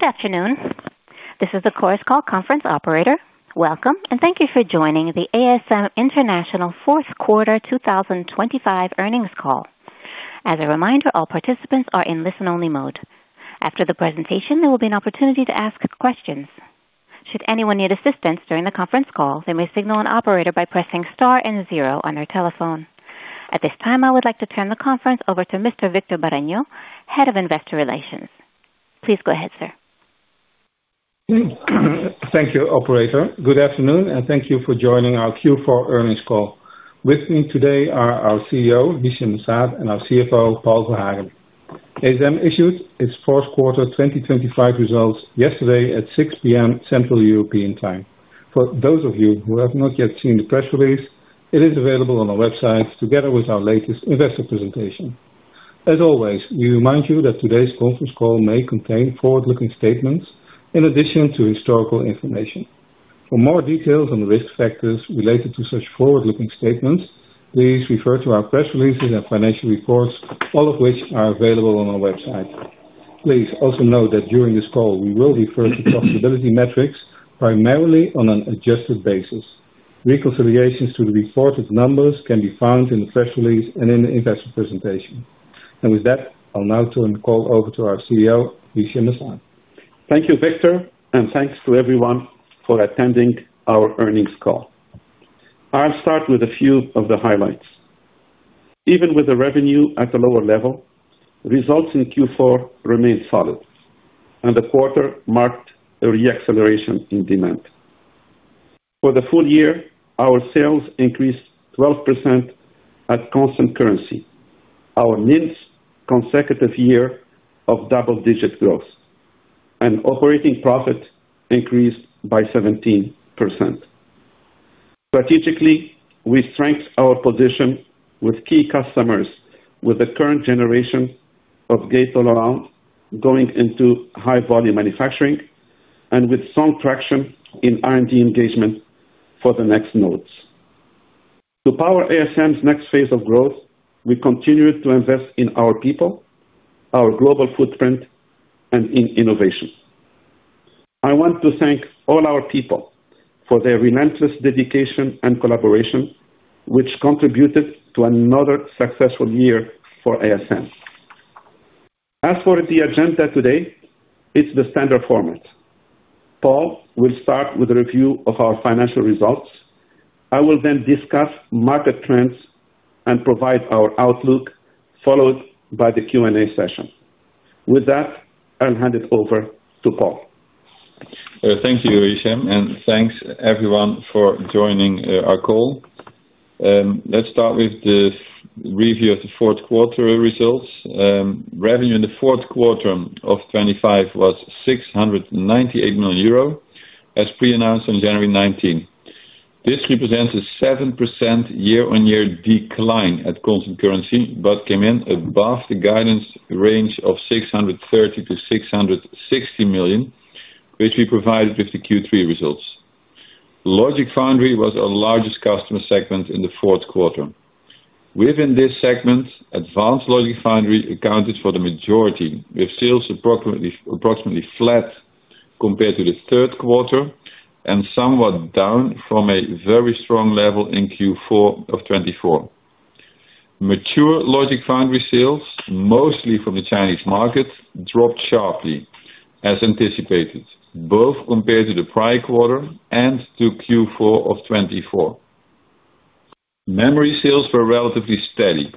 Good afternoon. This is the Chorus Call Conference Operator. Welcome, thank you for joining the ASM International Fourth Quarter 2025 Earnings call. As a reminder, all participants are in listen-only mode. After the presentation, there will be an opportunity to ask questions. Should anyone need assistance during the conference call, they may signal an operator by pressing star 0 on their telephone. At this time, I would like to turn the conference over to Mr. Victor Bareño, Head of Investor Relations. Please go ahead, sir. Thank you, operator. Good afternoon, and thank you for joining our Q4 earnings call. With me today are our CEO, Hichem M'Saad, and our CFO, Paul Verhagen. ASM issued its fourth quarter 2025 results yesterday at 6:00 P.M. Central European Time. For those of you who have not yet seen the press release, it is available on our website together with our latest investor presentation. As always, we remind you that today's conference call may contain forward-looking statements in addition to historical information. For more details on risk factors related to such forward-looking statements, please refer to our press releases and financial reports, all of which are available on our website. Please also note that during this call, we will refer to profitability metrics primarily on an adjusted basis. Reconciliations to the reported numbers can be found in the press release and in the investor presentation. With that, I'll now turn the call over to our CEO, Hichem M'Saad. Thank you, Victor. Thanks to everyone for attending our earnings call. I'll start with a few of the highlights. Even with the revenue at a lower level, results in Q4 remained solid. The quarter marked a re-acceleration in demand. For the full year, our sales increased 12% at constant currency, our ninth consecutive year of double-digit growth. Operating profit increased by 17%. Strategically, we strengthened our position with key customers with the current generation of Gate-All-Around going into high-volume manufacturing. With strong traction in R&D engagement for the next nodes. To power ASM's next phase of growth, we continued to invest in our people, our global footprint, in innovation. I want to thank all our people for their relentless dedication and collaboration, which contributed to another successful year for ASM. As for the agenda today, it's the standard format. Paul will start with a review of our financial results. I will then discuss market trends and provide our outlook, followed by the Q&A session. With that, I'll hand it over to Paul. Thank you, Hichem, thanks, everyone, for joining our call. Let's start with the review of the fourth quarter results. Revenue in the fourth quarter of 2025 was 698 million euro, as pre-announced on January 19th. This represents a 7% year-on-year decline at constant currency, came in above the guidance range of 630 million-660 million, which we provided with the Q3 results. Logic Foundry was our largest customer segment in the fourth quarter. Within this segment, Advanced Logic Foundry accounted for the majority, with sales approximately flat compared to the third quarter and somewhat down from a very strong level in Q4 of 2024. Mature Logic Foundry sales, mostly from the Chinese market, dropped sharply as anticipated, both compared to the prior quarter and to Q4 of 2024. Memory sales were relatively steady,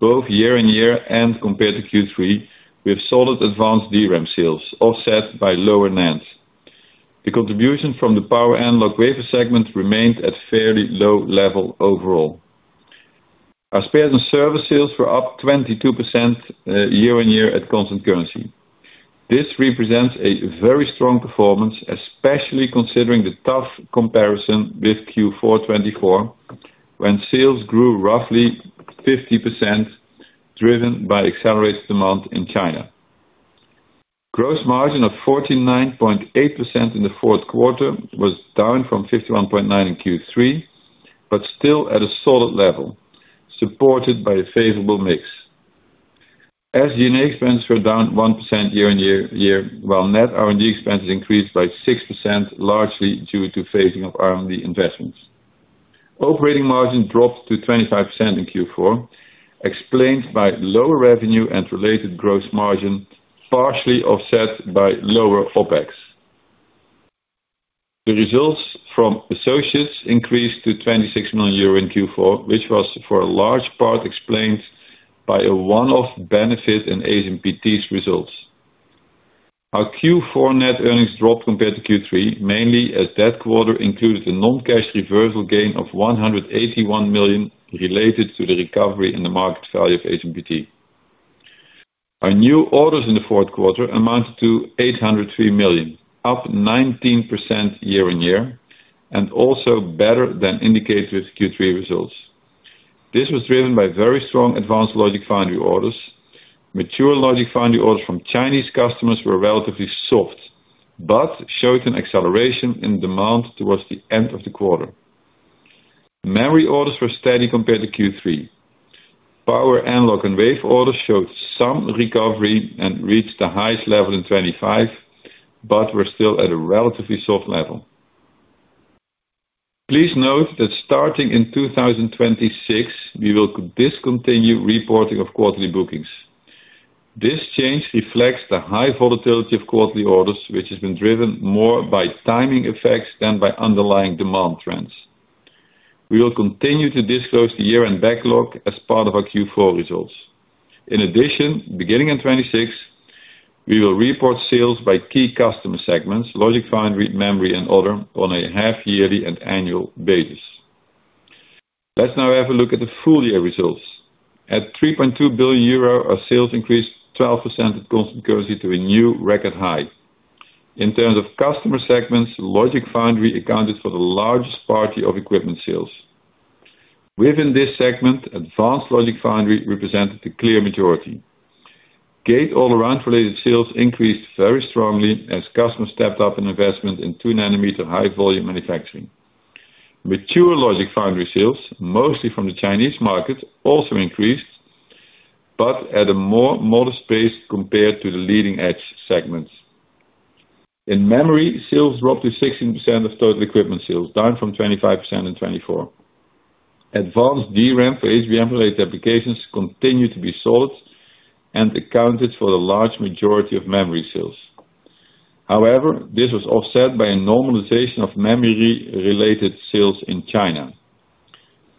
both year-on-year and compared to Q3, with solid advanced DRAM sales offset by lower NAND. The contribution from the power analog wafer segment remained at fairly low level overall. Our spare and service sales were up 22% year-on-year at constant currency. This represents a very strong performance, especially considering the tough comparison with Q4 2024, when sales grew roughly 50%, driven by accelerated demand in China. Gross margin of 49.8% in the fourth quarter was down from 51.9% in Q3, but still at a solid level, supported by a favorable mix. SG&A expenses were down 1% year-on-year, while net R&D expenses increased by 6%, largely due to phasing of R&D investments. Operating margin dropped to 25% in Q4, explained by lower revenue and related gross margin, partially offset by lower OpEx. The results from associates increased to 26 million euro in Q4, which was for a large part explained by a one-off benefit in ASMPT's results. Our Q4 net earnings dropped compared to Q3, mainly as that quarter included a non-cash reversal gain of 181 million related to the recovery in the market value of ASMPT. Our new orders in the fourth quarter amounted to 803 million, up 19% year-on-year and also better than indicated with Q3 results. This was driven by very strong advanced Logic Foundry orders. Mature Logic Foundry orders from Chinese customers were relatively soft, but showed an acceleration in demand towards the end of the quarter. Memory orders were steady compared to Q3. Power analog and wave orders showed some recovery and reached the highest level in 2025, but were still at a relatively soft level. Please note that starting in 2026, we will discontinue reporting of quarterly bookings. This change reflects the high volatility of quarterly orders, which has been driven more by timing effects than by underlying demand trends. We will continue to disclose the year-end backlog as part of our Q4 results. Beginning in 2026, we will report sales by key customer segments, logic foundry, memory, and other on a half yearly and annual basis. Let's now have a look at the full year results. At 3.2 billion euro, our sales increased 12% at constant currency to a new record high. In terms of customer segments, logic foundry accounted for the largest party of equipment sales. Within this segment, advanced logic foundry represented the clear majority. Gate-All-Around related sales increased very strongly as customers stepped up an investment in 2 nanometer High-Volume Manufacturing. Mature logic foundry sales, mostly from the Chinese market, also increased, but at a more modest pace compared to the leading-edge segments. In memory, sales dropped to 16% of total equipment sales, down from 25% in 2024. Advanced DRAM for HBM-related applications continued to be sold and accounted for the large majority of memory sales. This was offset by a normalization of memory-related sales in China.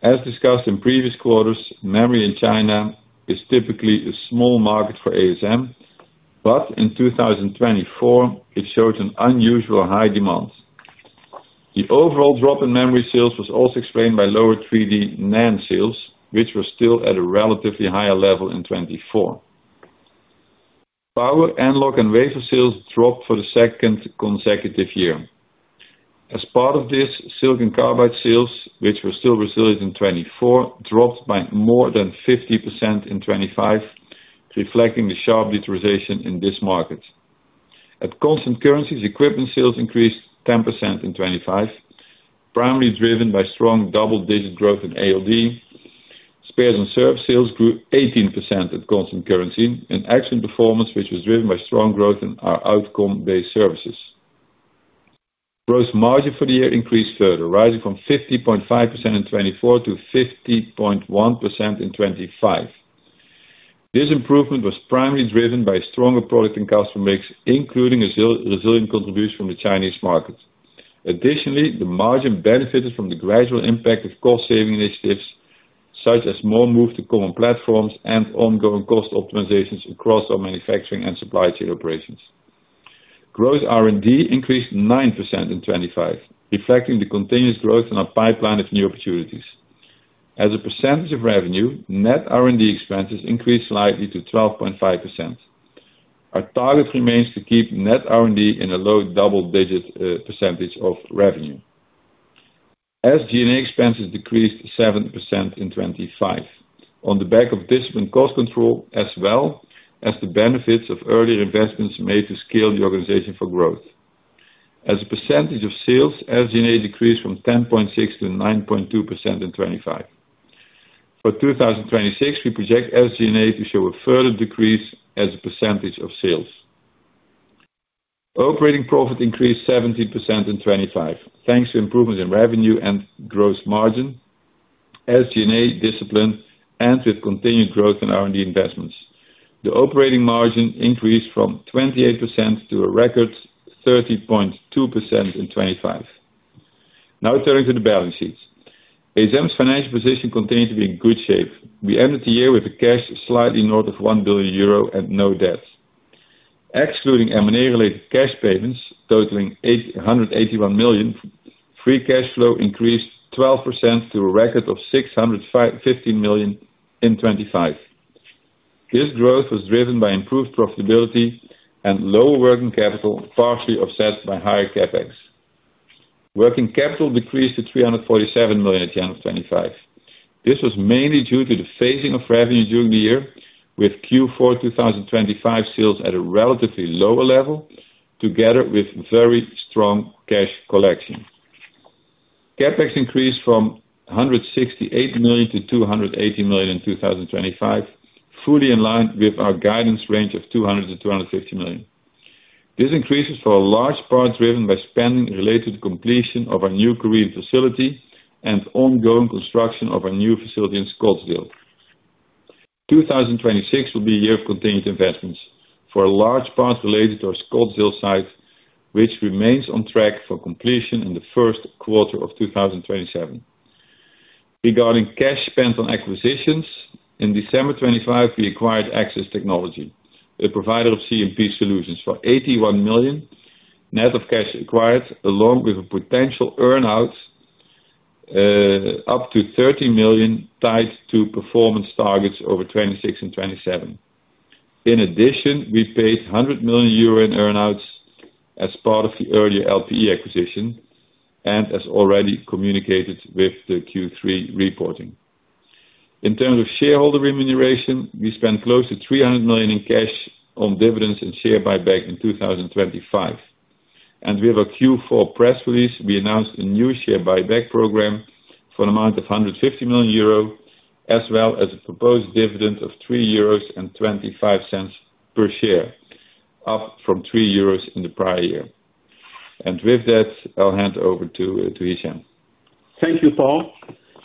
As discussed in previous quarters, memory in China is typically a small market for ASM, but in 2024, it showed an unusual high demand. The overall drop in memory sales was also explained by lower 3D NAND sales, which were still at a relatively higher level in 2024. Power analog and wafer sales dropped for the second consecutive year. As part of this, silicon carbide sales, which were still resilient in 2024, dropped by more than 50% in 2025, reflecting the sharp deterioration in this market. At constant currencies, equipment sales increased 10% in 2025, primarily driven by strong double-digit growth in ALD. Spares and service sales grew 18% at constant currency, an excellent performance which was driven by strong growth in our outcome-based services. Gross margin for the year increased further, rising from 50.5% in 2024 to 50.1% in 2025. This improvement was primarily driven by stronger product and customer mix, including a resilient contribution from the Chinese market. Additionally, the margin benefited from the gradual impact of cost-saving initiatives, such as more move to common platforms and ongoing cost optimizations across our manufacturing and supply chain operations. Growth R&D increased 9% in 2025, reflecting the continuous growth in our pipeline of new opportunities. As a percentage of revenue, net R&D expenses increased slightly to 12.5%. Our target remains to keep net R&D in a low double-digit percentage of revenue. SG&A expenses decreased 7% in 2025 on the back of disciplined cost control, as well as the benefits of earlier investments made to scale the organization for growth. As a percentage of sales, SG&A decreased from 10.6% to 9.2% in 2025. For 2026, we project SG&A to show a further decrease as a percentage of sales. Operating profit increased 17% in 2025, thanks to improvements in revenue and gross margin, SG&A discipline, and with continued growth in R&D investments. The operating margin increased from 28% to a record 30.2% in 2025. Turning to the balance sheet. ASM's financial position continued to be in good shape. We ended the year with the cash slightly north of 1 billion euro and no debt. Excluding M&A related cash payments totaling 881 million, free cash flow increased 12% to a record of 650 million in 2025. This growth was driven by improved profitability and lower working capital, partially offset by higher CapEx. Working capital decreased to 347 million at the end of 2025. This was mainly due to the phasing of revenue during the year, with Q4 2025 sales at a relatively lower level, together with very strong cash collection. CapEx increased from 168 million to 280 million in 2025, fully in line with our guidance range of 200 million-250 million. This increase is for a large part driven by spending related to the completion of our new Korean facility and ongoing construction of our new facility in Scottsdale. 2026 will be a year of continued investments, for a large part related to our Scottsdale site, which remains on track for completion in the first quarter of 2027. Regarding cash spent on acquisitions, in December 2025, we acquired Axus Technology, a provider of CMP solutions for 81 million, net of cash acquired, along with a potential earn-out, up to 30 million tied to performance targets over 2026 and 2027. In addition, we paid 100 million euro in earn-outs as part of the earlier LPE acquisition and as already communicated with the Q3 reporting. In terms of shareholder remuneration, we spent close to 300 million in cash on dividends and share buyback in 2025. With our Q4 press release, we announced a new share buyback program for an amount of 150 million euro, as well as a proposed dividend of 3.25 euros per share, up from 3 euros in the prior year. With that, I'll hand over to Hichem. Thank you, Paul.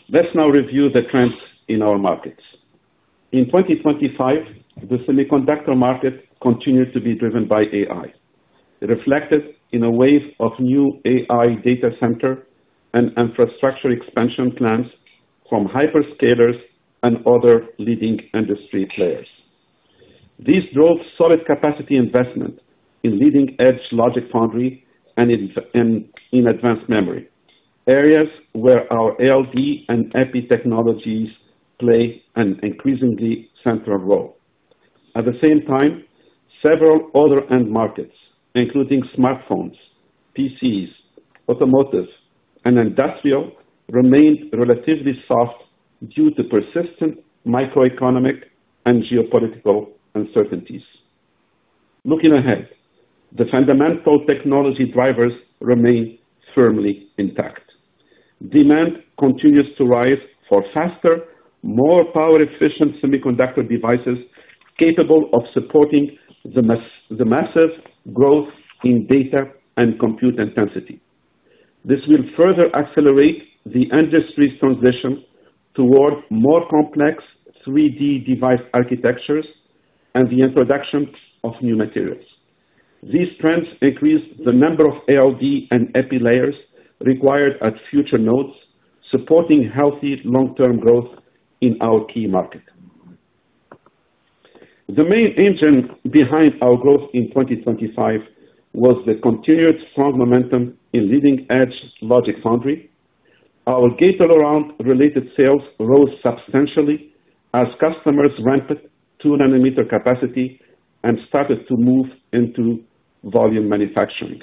Let's now review the trends in our markets. In 2025, the semiconductor market continued to be driven by AI. It reflected in a wave of new AI data center and infrastructure expansion plans from hyperscalers and other leading industry players. This drove solid capacity investment in leading edge logic foundry and in advanced memory, areas where our ALD and EPI technologies play an increasingly central role. At the same time, several other end markets, including smartphones, PCs, automotives, and industrial, remained relatively soft due to persistent microeconomic and geopolitical uncertainties. Looking ahead, the fundamental technology drivers remain firmly intact. Demand continues to rise for faster, more power-efficient semiconductor devices capable of supporting the massive growth in data and compute intensity. This will further accelerate the industry's transition towards more complex 3D device architectures and the introduction of new materials. These trends increase the number of ALD and EPI layers required at future nodes, supporting healthy long-term growth in our key market. The main engine behind our growth in 2025 was the continued strong momentum in leading edge logic foundry. Our Gate-All-Around related sales rose substantially as customers ramped two nanometer capacity and started to move into volume manufacturing.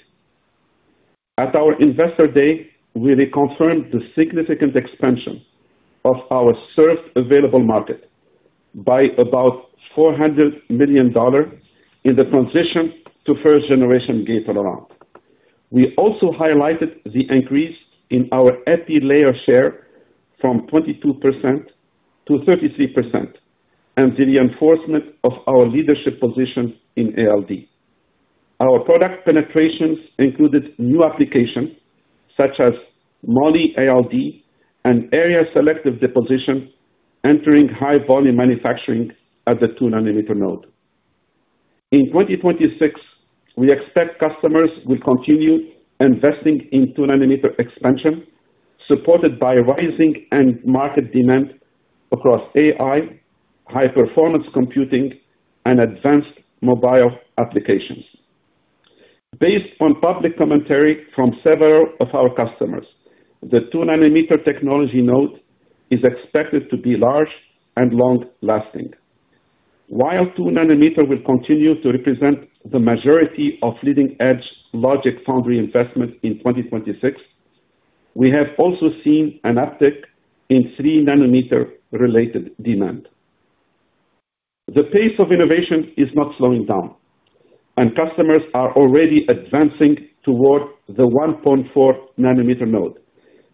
At our Investor Day, we reconfirmed the significant expansion of our Serviceable Available Market by about $400 million in the transition to first generation Gate-All-Around. We also highlighted the increase in our EPI layer share from 22% to 33%, and the reinforcement of our leadership position in ALD. Our product penetrations included new applications such as Moly ALD and area selective deposition, entering high volume manufacturing at the two nanometer node. In 2026, we expect customers will continue investing in 2-nanometer expansion, supported by rising end market demand across AI, high-performance computing, and advanced mobile applications. Based on public commentary from several of our customers, the 2-nanometer technology node is expected to be large and long-lasting. While 2-nanometer will continue to represent the majority of leading edge logic foundry investment in 2026, we have also seen an uptick in 3-nanometer related demand. The pace of innovation is not slowing down, and customers are already advancing toward the 1.4-nanometer node,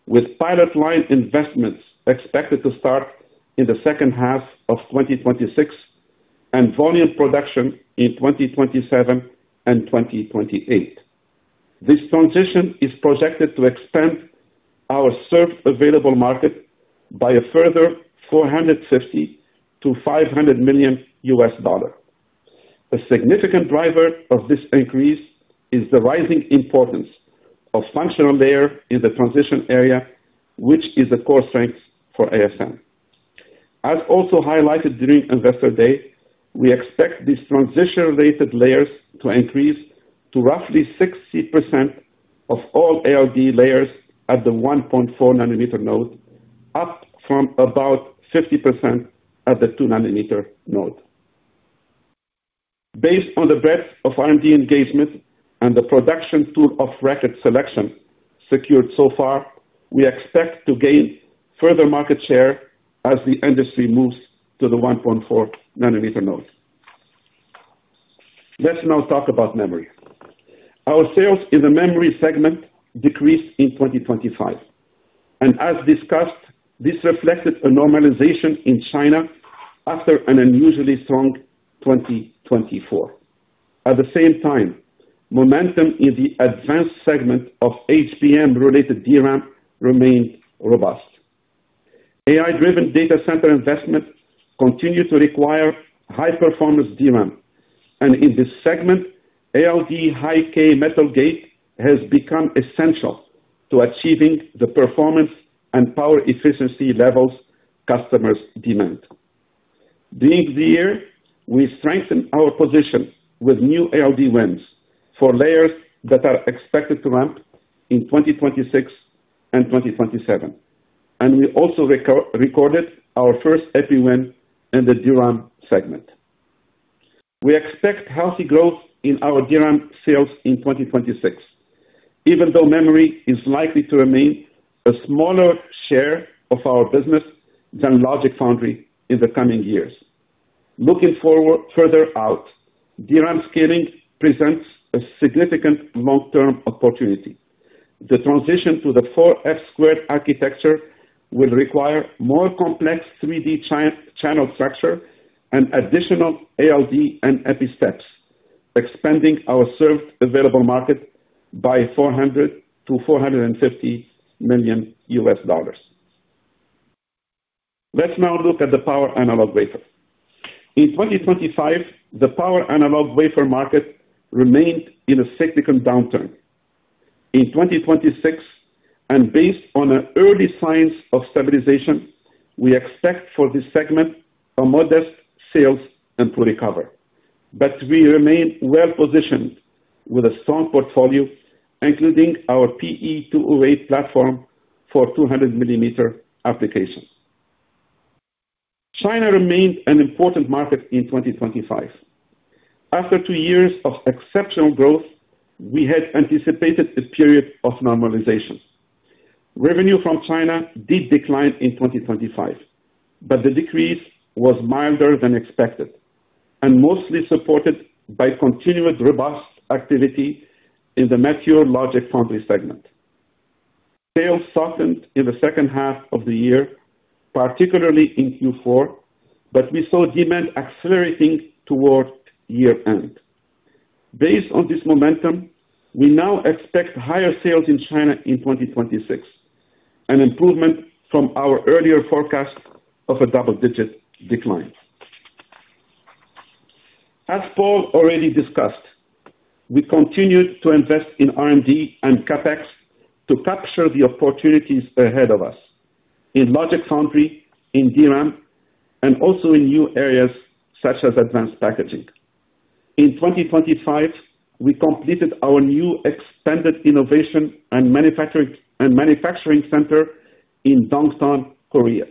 with pilot line investments expected to start in the second half of 2026 and volume production in 2027 and 2028. This transition is projected to expand our Serviceable Available Market by a further $450 million-$500 million. A significant driver of this increase is the rising importance of functional layer in the transition area, which is a core strength for ASM. As also highlighted during Investor Day, we expect these transition-related layers to increase to roughly 60% of all ALD layers at the 1.4 nanometer node, up from about 50% at the 2 nanometer node. Let's now talk about memory. Our sales in the memory segment decreased in 2025. As discussed, this reflected a normalization in China after an unusually strong 2024. At the same time, momentum in the advanced segment of HBM related DRAM remained robust. AI-driven data center investment continue to require high-performance DRAM, and in this segment, ALD high-k metal gate has become essential to achieving the performance and power efficiency levels customers demand. During the year, we strengthened our position with new ALD wins for layers that are expected to ramp in 2026 and 2027, and we also recorded our first EPI win in the DRAM segment. We expect healthy growth in our DRAM sales in 2026, even though memory is likely to remain a smaller share of our business than logic foundry in the coming years. Looking forward further out, DRAM scaling presents a significant long-term opportunity. The transition to the 4F² architecture will require more complex 3D channel structure and additional ALD and EPI steps, expanding our served available market by $400 million-$450 million. Let's now look at the power analog wafer. In 2025, the power analog wafer market remained in a cyclical downturn. In 2026, based on an early signs of stabilization, we expect for this segment a modest sales and to recover. We remain well positioned with a strong portfolio, including our PE208 platform for 200 millimeter applications. China remained an important market in 2025. After 2 years of exceptional growth, we had anticipated a period of normalization. Revenue from China did decline in 2025, the decrease was milder than expected and mostly supported by continued robust activity in the mature logic foundry segment. Sales softened in the second half of the year, particularly in Q4, we saw demand accelerating toward year-end. Based on this momentum, we now expect higher sales in China in 2026, an improvement from our earlier forecast of a double-digit decline. As Paul already discussed, we continued to invest in R&D and CapEx to capture the opportunities ahead of us in logic foundry, in DRAM, and also in new areas such as advanced packaging. In 2025, we completed our new expanded innovation and manufacturing center in Dongtan, Korea.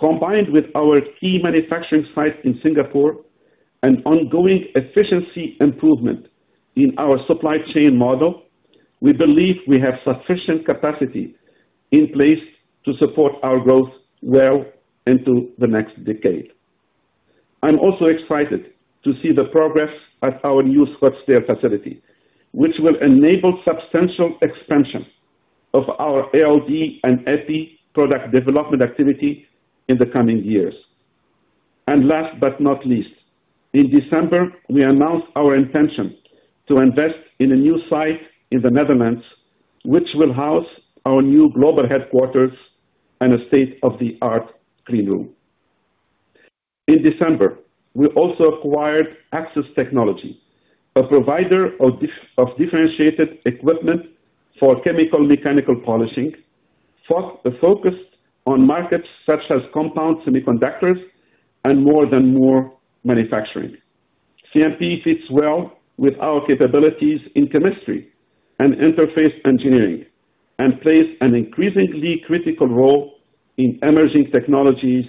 Combined with our key manufacturing site in Singapore and ongoing efficiency improvement in our supply chain model, we believe we have sufficient capacity in place to support our growth well into the next decade. I'm also excited to see the progress at our new Scottsdale facility, which will enable substantial expansion of our ALD and EPI product development activity in the coming years. Last but not least, in December, we announced our intention to invest in a new site in the Netherlands, which will house our new global headquarters and a state-of-the-art clean room. In December, we also acquired Axus Technology, a provider of differentiated equipment for Chemical Mechanical Polishing, focused on markets such as compound semiconductors and More than Moore manufacturing. CMP fits well with our capabilities in chemistry and interface engineering and plays an increasingly critical role in emerging technologies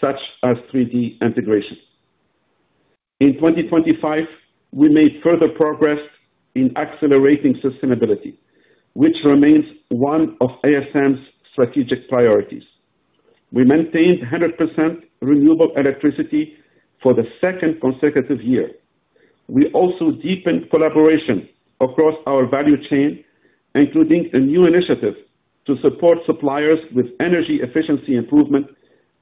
such as 3D integration. In 2025, we made further progress in accelerating sustainability, which remains one of ASM's strategic priorities. We maintained 100% renewable electricity for the second consecutive year. We also deepened collaboration across our value chain, including a new initiative to support suppliers with energy efficiency improvement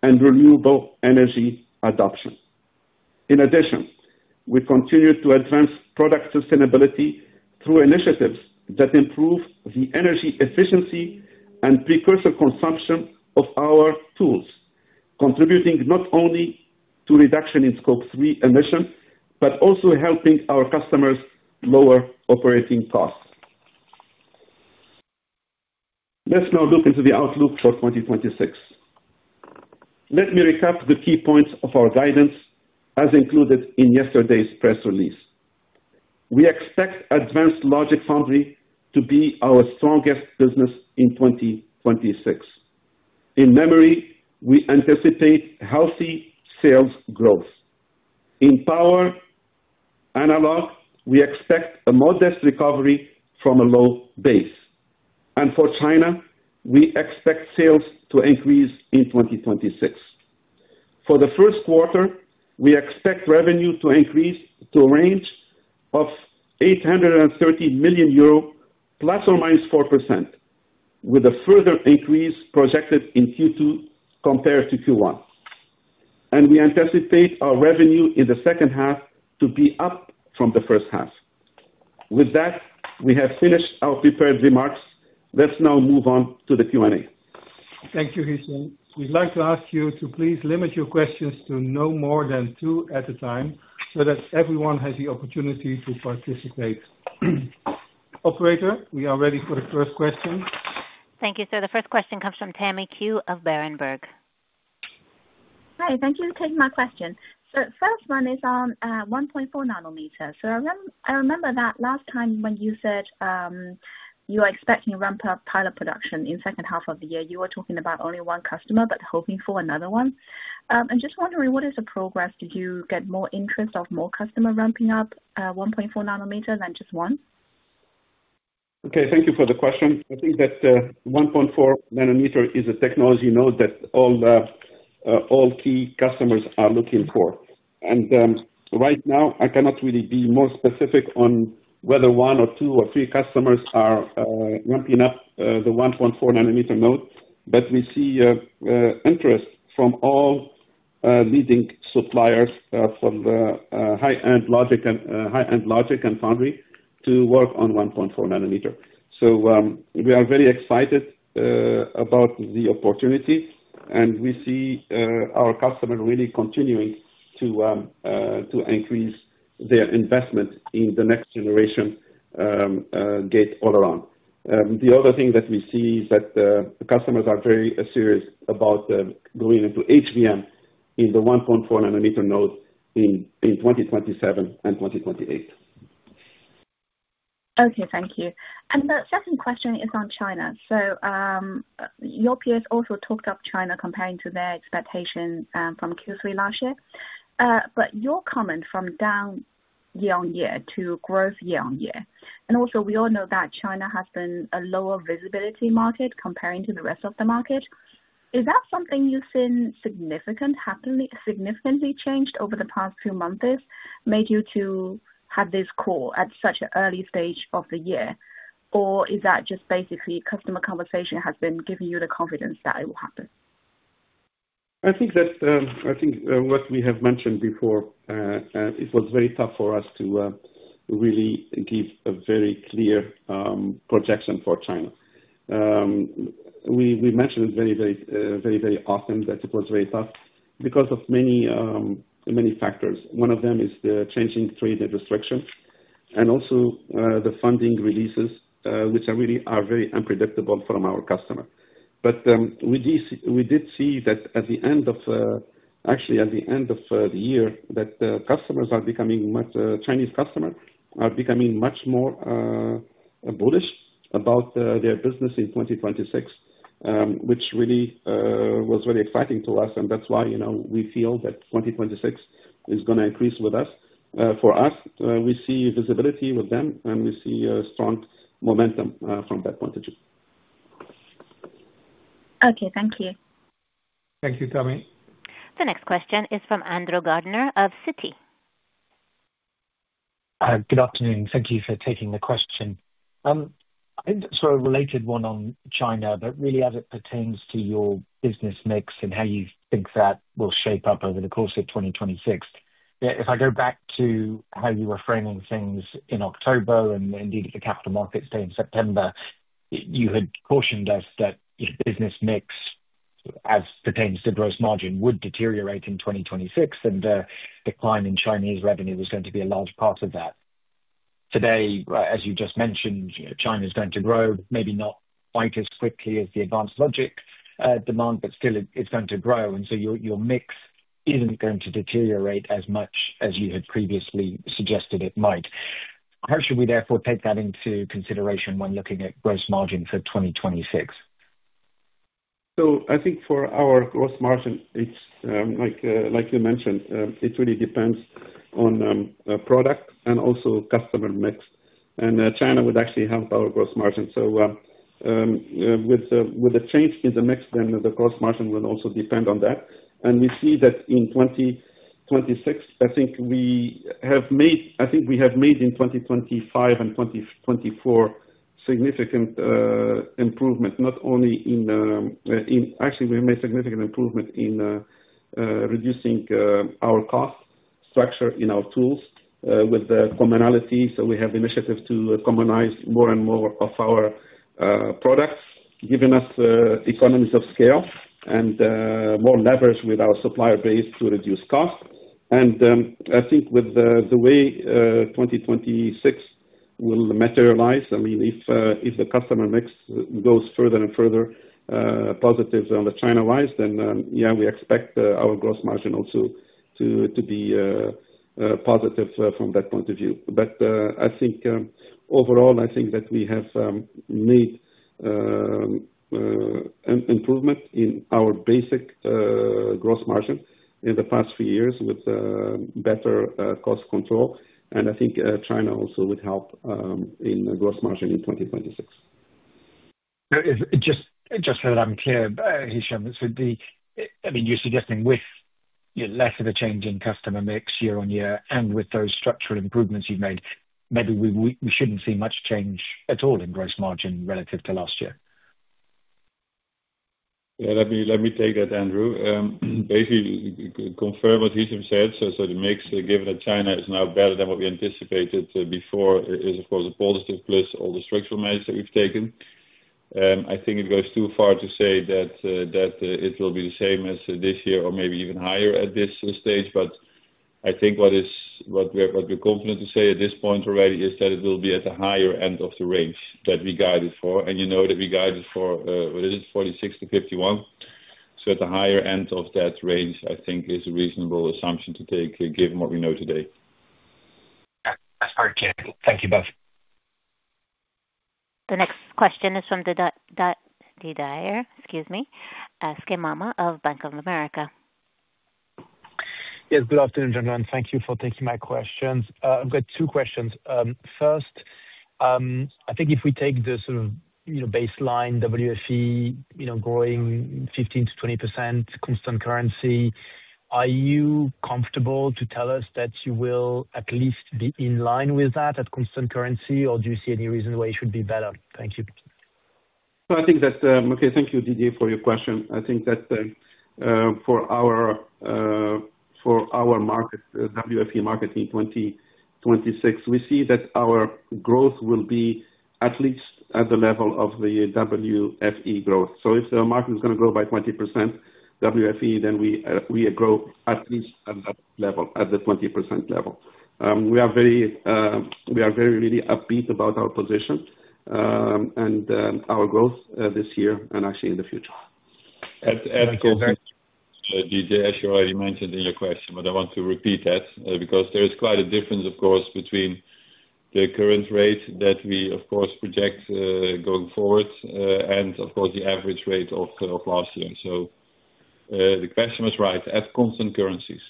and renewable energy adoption. In addition, we continued to advance product sustainability through initiatives that improve the energy efficiency and precursor consumption of our tools, contributing not only to reduction in Scope 3 emissions, but also helping our customers lower operating costs. Let's now look into the outlook for 2026. Let me recap the key points of our guidance as included in yesterday's press release. We expect advanced logic foundry to be our strongest business in 2026. In memory, we anticipate healthy sales growth. In power analog, we expect a modest recovery from a low base. For China, we expect sales to increase in 2026. For the first quarter, we expect revenue to increase to a range of 813 million euro ±4%, with a further increase projected in Q2 compared to Q1. We anticipate our revenue in the second half to be up from the first half. With that, we have finished our prepared remarks. Let's now move on to the Q&A. Thank you, Hichem. We'd like to ask you to please limit your questions to no more than two at a time so that everyone has the opportunity to participate. Operator, we are ready for the first question. Thank you, sir. The first question comes from Tammy Qiu of Berenberg. Hi, thank you for taking my question. first one is on 1.4 nanometer. I remember that last time when you said, you are expecting ramp up pilot production in second half of the year, you were talking about only one customer, but hoping for another one. I'm just wondering what is the progress? Did you get more interest of more customer ramping up, 1.4 nanometer than just one? Okay, thank you for the question. I think that 1.4 nanometer is a technology node that all the all key customers are looking for. Right now I cannot really be more specific on whether 1 or 2 or 3 customers are ramping up the 1.4 nanometer node. We see interest from all leading suppliers from the high-end logic and foundry to work on 1.4 nanometer. We are very excited about the opportunity and we see our customer really continuing to increase their investment in the next generation Gate-All-Around. The other thing that we see is that the customers are very serious about going into HVM in the 1.4 nanometer node in 2027 and 2028. Okay, thank you. The second question is on China. Your peers also talked up China comparing to their expectations from Q3 last year. Your comment from down year-on-year to growth year-on-year, and also we all know that China has been a lower visibility market comparing to the rest of the market. Is that something you've seen significantly changed over the past few months, made you to have this call at such an early stage of the year? Is that just basically customer conversation has been giving you the confidence that it will happen? I think that, I think what we have mentioned before, it was very tough for us to really give a very clear projection for China. We mentioned it very, very often that it was very tough because of many factors. One of them is the changing trade restrictions and also the funding releases, which are really are very unpredictable from our customer. We did see that at the end of, actually at the end of the year, that customers are becoming much, Chinese customers are becoming much more bullish about their business in 2026, which really was really exciting to us. That's why, you know, we feel that 2026 is gonna increase with us. For us, we see visibility with them, and we see a strong momentum, from that point of view. Okay, thank you. Thank you, Tammy. The next question is from Andrew Gardiner of Citi. Good afternoon. Thank you for taking the question. A related one on China, but really as it pertains to your business mix and how you think that will shape up over the course of 2026. If I go back to how you were framing things in October and indeed at the Capital Markets Day in September, you had cautioned us that business mix, as pertains to gross margin, would deteriorate in 2026, and decline in Chinese revenue was going to be a large part of that. Today, as you just mentioned, China's going to grow, maybe not quite as quickly as the advanced logic demand, but still it's going to grow. Your, your mix isn't going to deteriorate as much as you had previously suggested it might. How should we therefore take that into consideration when looking at gross margin for 2026? I think for our gross margin, it's like you mentioned, it really depends on product and also customer mix. China would actually help our gross margin. With the change in the mix, then the gross margin will also depend on that. We see that in 2026, I think we have made in 2025 and 2024 significant improvement, not only in... Actually, we made significant improvement in reducing our cost structure in our tools with the commonality. We have initiatives to commonize more and more of our products, giving us economies of scale and more leverage with our supplier base to reduce costs. I think with the way 2026 will materialize, I mean, if if the customer mix goes further and further positive on the China-wise, then yeah, we expect our gross margin also to be positive from that point of view. I think overall, I think that we have made improvement in our basic gross margin in the past few years with better cost control. I think China also would help in gross margin in 2026. Just so that I'm clear, Hichem. I mean, you're suggesting with less of a change in customer mix year-on-year and with those structural improvements you've made, maybe we shouldn't see much change at all in gross margin relative to last year. Yeah, let me take that, Andrew. basically confirm what Hichem said. The mix given that China is now better than what we anticipated before is of course a positive, plus all the structural measures that we've taken. I think it goes too far to say that it will be the same as this year or maybe even higher at this stage. I think what we're confident to say at this point already is that it will be at the higher end of the range that we guided for. You know that we guided for, what is it? 46-51. At the higher end of that range, I think is a reasonable assumption to take given what we know today. That's very clear. Thank you both. The next question is from Didier Scemama of Bank of America. Yes. Good afternoon, everyone, thank thank you for taking my questions. I've got two questions. First, I think if we take the sort of, you know, baseline WFE, you know, growing 15%-20% constant currency, are you comfortable to tell us that you will at least be in line with that at constant currency, or do you see any reason why you should be better? Thank you. I think that, okay, thank you, Didier, for your question. I think that for our for our market, WFE market in 2026, we see that our growth will be at least at the level of the WFE growth. If the market is gonna grow by 20% WFE, we grow at least at that level, at the 20% level. We are very really upbeat about our position, and our growth this year and actually in the future. Didier, as you already mentioned in your question, but I want to repeat that, because there is quite a difference of course, between the current rate that we of course project, going forward, and of course, the average rate of last year. The question was right at constant currencies.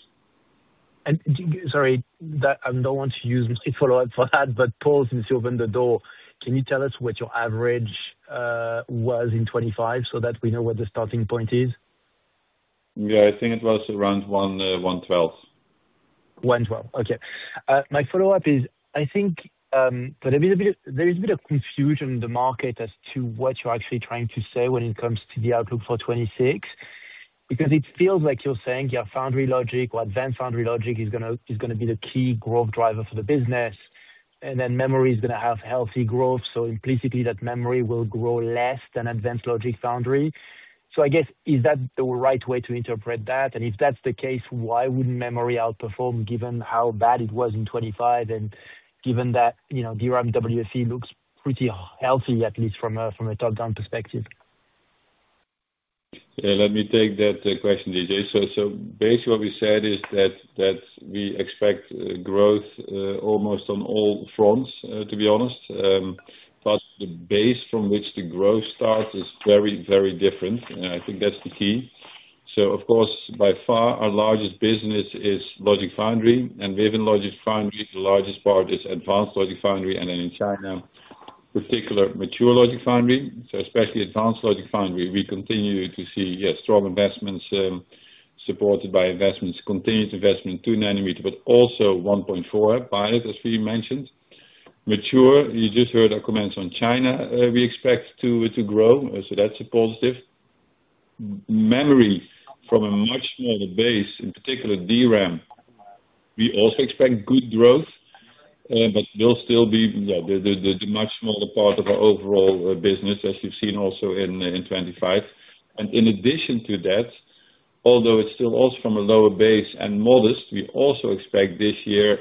Sorry that I don't want to use follow-up for that, but Paul seems to have opened the door. Can you tell us what your average was in 2025 so that we know where the starting point is? Yeah, I think it was around 112. 112. Okay. My follow-up is, I think, there is a bit of confusion in the market as to what you're actually trying to say when it comes to the outlook for 2026. It feels like you're saying your foundry logic or advanced foundry logic is gonna be the key growth driver for the business, and then memory is gonna have healthy growth. Implicitly that memory will grow less than advanced logic foundry. I guess, is that the right way to interpret that? If that's the case, why would memory outperform, given how bad it was in 2025 and given that, you know, DRAM WFE looks pretty healthy, at least from a top-down perspective? Yeah, let me take that question, Didier. Basically what we said is that we expect growth almost on all fronts, to be honest. The base from which the growth starts is very, very different. I think that's the key. Of course, by far our largest business is logic foundry, and within logic foundry, the largest part is advanced logic foundry, and then in China, particular mature logic foundry. Especially advanced logic foundry, we continue to see, yes, strong investments, supported by investments, continued investment to nanometer, but also 1.4 pilot, as we mentioned. Mature, you just heard our comments on China, we expect to grow. That's a positive. Memory from a much smaller base, in particular DRAM, we also expect good growth, but will still be the much smaller part of our overall business as you've seen also in 2025. In addition to that, although it's still also from a lower base and modest, we also expect this year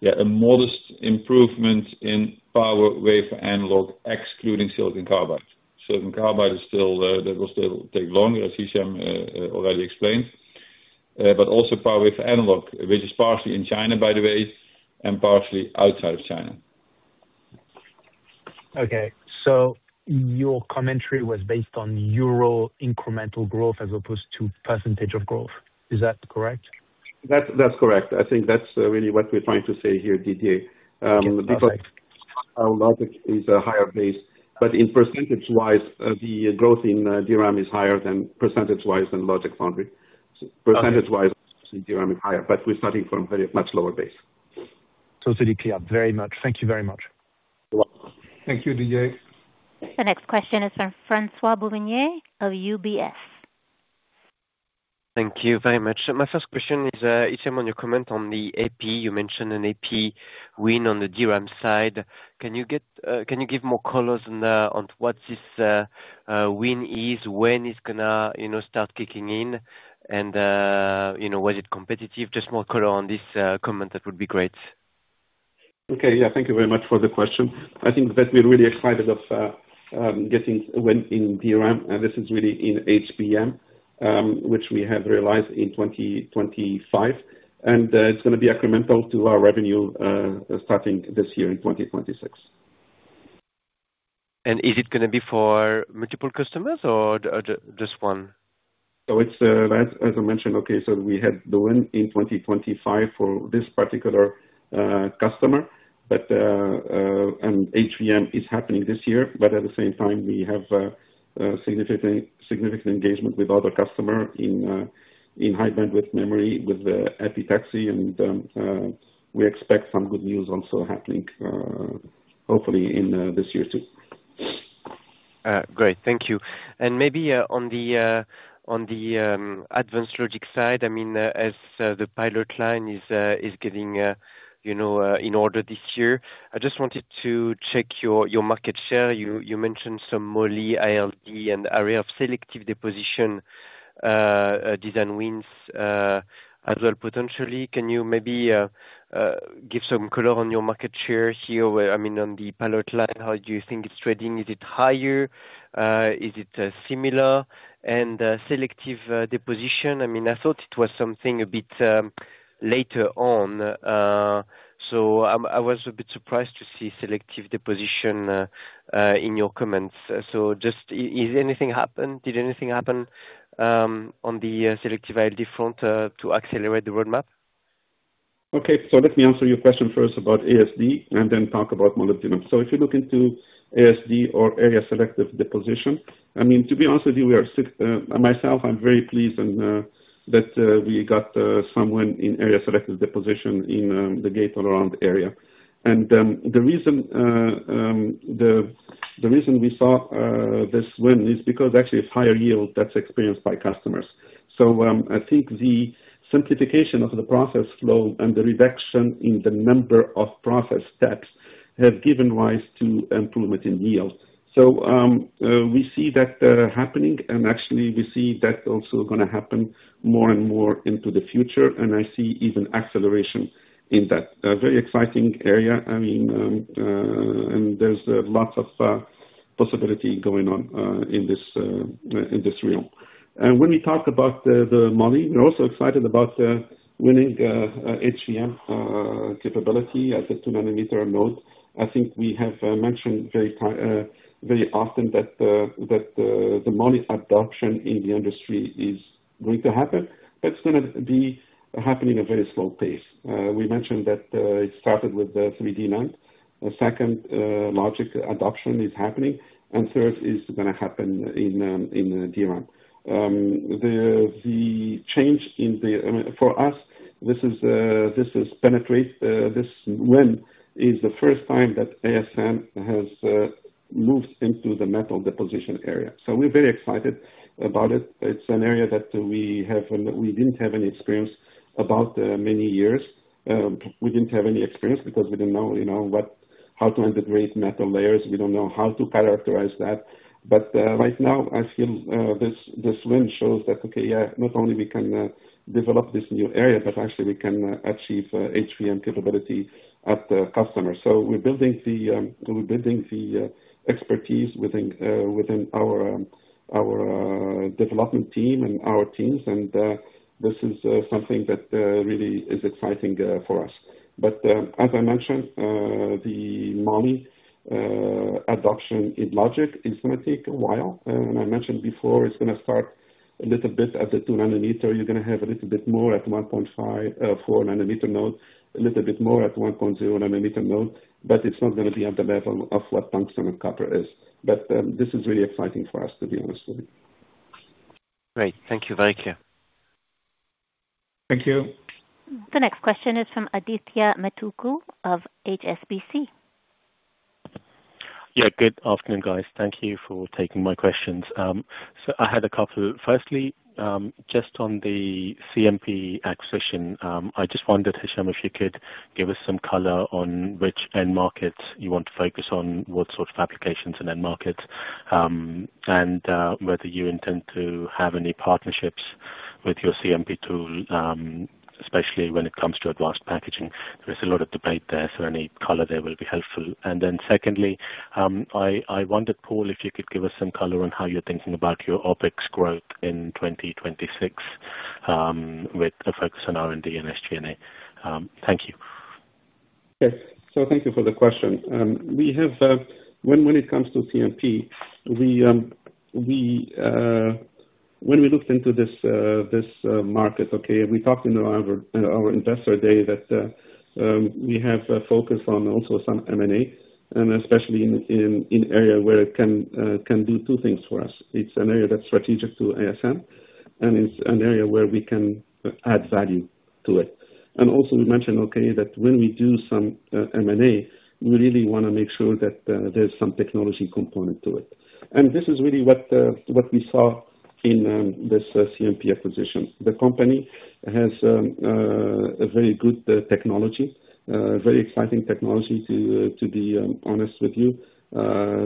a, yeah, a modest improvement in power wave analog, excluding silicon carbide. Silicon carbide is still, that will still take longer, as Hichem already explained. Also power wave analog, which is partly in China, by the way, and partially outside of China. Okay. Your commentary was based on euro incremental growth as opposed to percentage of growth. Is that correct? That's correct. I think that's really what we're trying to say here, Didier. Our logic is a higher base, but in percentage-wise, the growth in DRAM is higher than percentage-wise than logic foundry. Percentage-wise DRAM is higher, but we're starting from very much lower base. Totally clear. Very much. Thank you very much. You're welcome. Thank you, Didier. The next question is from François-Paul Boulanger of UBS. Thank you very much. My first question is, Hichem, on your comment on the AP. You mentioned an AP win on the DRAM side. Can you give more colors on what this win is? When it's gonna, you know, start kicking in and, you know, was it competitive? Just more color on this comment, that would be great. Okay. Yeah, thank you very much for the question. I think that we're really excited of getting win in DRAM, and this is really in HBM, which we have realized in 2025, and it's gonna be incremental to our revenue starting this year in 2026. Is it gonna be for multiple customers or just one? It's as I mentioned, okay, so we had the win in 2025 for this particular customer. HBM is happening this year, but at the same time, we have significant engagement with other customer in high bandwidth memory with epitaxy and we expect some good news also happening hopefully in this year too. Great. Thank you. Maybe on the on the advanced logic side, I mean, as the pilot line is getting, you know, in order this year. I just wanted to check your market share. You mentioned some Moly ALD and Area selective deposition design wins as well potentially. Can you maybe give some color on your market share here? I mean, on the pilot line, how do you think it's trading? Is it higher? Is it similar? Selective deposition, I mean, I thought it was something a bit- Later on, I was a bit surprised to see selective deposition in your comments. Just did anything happen on the selective ALD front to accelerate the roadmap? Let me answer your question first about ASD and then talk about molybdenum. If you look into ASD or Area selective deposition, I mean, to be honest with you, myself, I'm very pleased and that we got someone in Area selective deposition in the Gate-All-Around area. The reason we saw this win is because actually it's higher yield that's experienced by customers. I think the simplification of the process flow and the reduction in the number of process steps have given rise to improvement in yield. We see that happening, and actually we see that also gonna happen more and more into the future. I see even acceleration in that. A very exciting area, I mean, and there's lots of possibility going on in this realm. When we talk about the moly, we're also excited about winning HDM capability at the 2 nanometer node. I think we have mentioned very often that the moly adoption in the industry is going to happen. That's gonna be happening in a very slow pace. We mentioned that it started with the 3D NAND. The second logic adoption is happening, and third is gonna happen in DRAM. I mean, for us, this is penetrate. This win is the first time that ASM has moved into the metal deposition area. We're very excited about it. It's an area that we didn't have any experience about many years. We didn't have any experience because we didn't know, you know, how to integrate metal layers. We don't know how to characterize that. Right now, I feel this win shows that okay, yeah, not only we can develop this new area, but actually we can achieve HDM capability at the customer. We're building the expertise within our development team and our teams and this is something that really is exciting for us. As I mentioned, the moly adoption in logic is gonna take a while. I mentioned before, it's gonna start a little bit at the two nanometer. You're gonna have a little bit more at 1.5, 4 nanometer node, a little bit more at 1.0 nanometer node, but it's not gonna be at the level of what tungsten and copper is. This is really exciting for us, to be honest with you. Great. Thank you. Thank you. Thank you. The next question is from Adithya Metuku of HSBC. Yeah. Good afternoon, guys. Thank you for taking my questions. I had a couple. Firstly, just on the CMP acquisition, I just wondered, Hichem, if you could give us some color on which end market you want to focus on, what sort of applications and end markets, and whether you intend to have any partnerships with your CMP tool, especially when it comes to advanced packaging. There is a lot of debate there, any color there will be helpful. Secondly, I wondered, Paul, if you could give us some color on how you're thinking about your OpEx growth in 2026, with a focus on R&D and SG&A. Thank you. Yes. So thank you for the question. We have. When it comes to CMP, we. When we looked into this market, we talked in our investor day that we have a focus on also some M&A, and especially in an area where it can do two things for us. It's an area that's strategic to ASM, and it's an area where we can add value to it. Also we mentioned that when we do some M&A, we really want to make sure that there's some technology component to it. This is really what we saw in this CMP acquisition. The company has a very good technology, a very exciting technology, to be honest with you.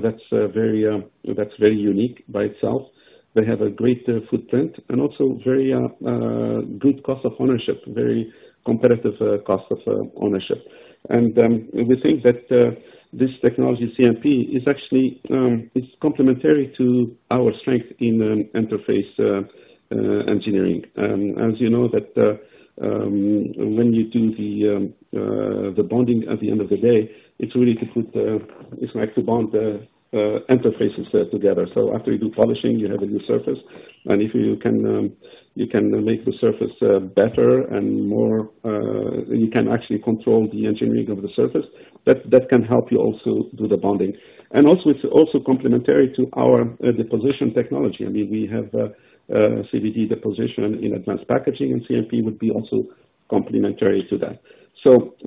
That's very unique by itself. They have a great footprint and also very good cost of ownership, very competitive cost of ownership. We think that this technology CMP is actually complementary to our strength in interface engineering. As you know, that when you do the bonding at the end of the day, it's really to put, it's like to bond the interfaces together. After you do polishing, you have a new surface. If you can, you can make the surface better and more, you can actually control the engineering of the surface, that can help you also do the bonding. Also, it's also complementary to our deposition technology. I mean, we have CVD deposition in Advanced packaging, and CMP would be also complementary to that.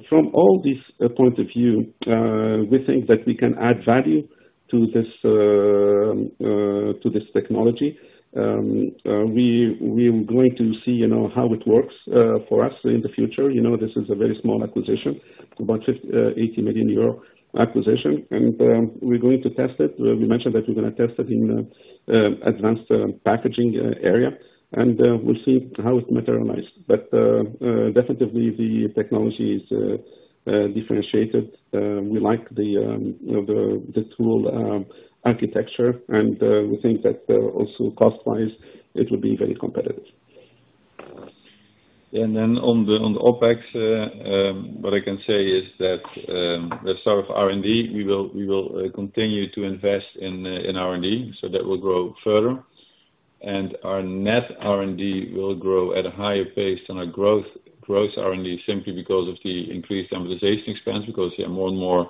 From all these point of view, we think that we can add value to this to this technology. We, we're going to see, you know, how it works for us in the future. You know, this is a very small acquisition. It's about 50, 80 million acquisition. We're going to test it. We mentioned that we're gonna test it in Advanced packaging area. We'll see how it materialize. Definitely the technology is differentiated. We like the the tool architecture, and we think that also cost-wise, it will be very competitive. Then on the OpEx, what I can say is that the start of R&D, we will continue to invest in R&D, so that will grow further. Our net R&D will grow at a higher pace than our growth, gross R&D simply because of the increased amortization expense, because there are more and more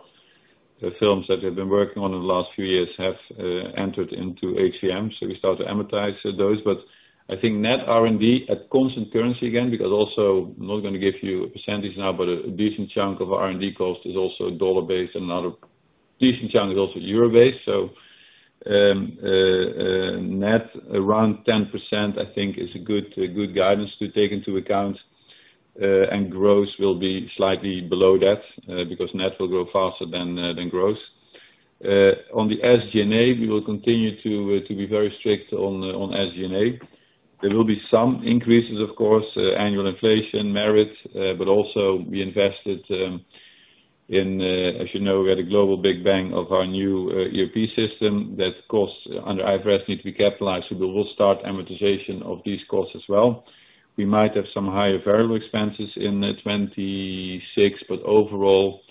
films that we've been working on in the last few years have entered into HVM, so we start to amortize those. I think net R&D at constant currency again, because also I'm not gonna give you a percentage now, but a decent chunk of R&D cost is also dollar-based, and another decent chunk is also euro-based. Net around 10%, I think is a good guidance to take into account. Gross will be slightly below that, because net will grow faster than gross. On the SG&A, we will continue to be very strict on the SG&A. There will be some increases, of course, annual inflation merits, but also we invested in, as you know, we had a global big bang of our new ERP system that costs under IFRS need to be capitalized, so we will start amortization of these costs as well. We might have some higher variable expenses in 2026, but overall,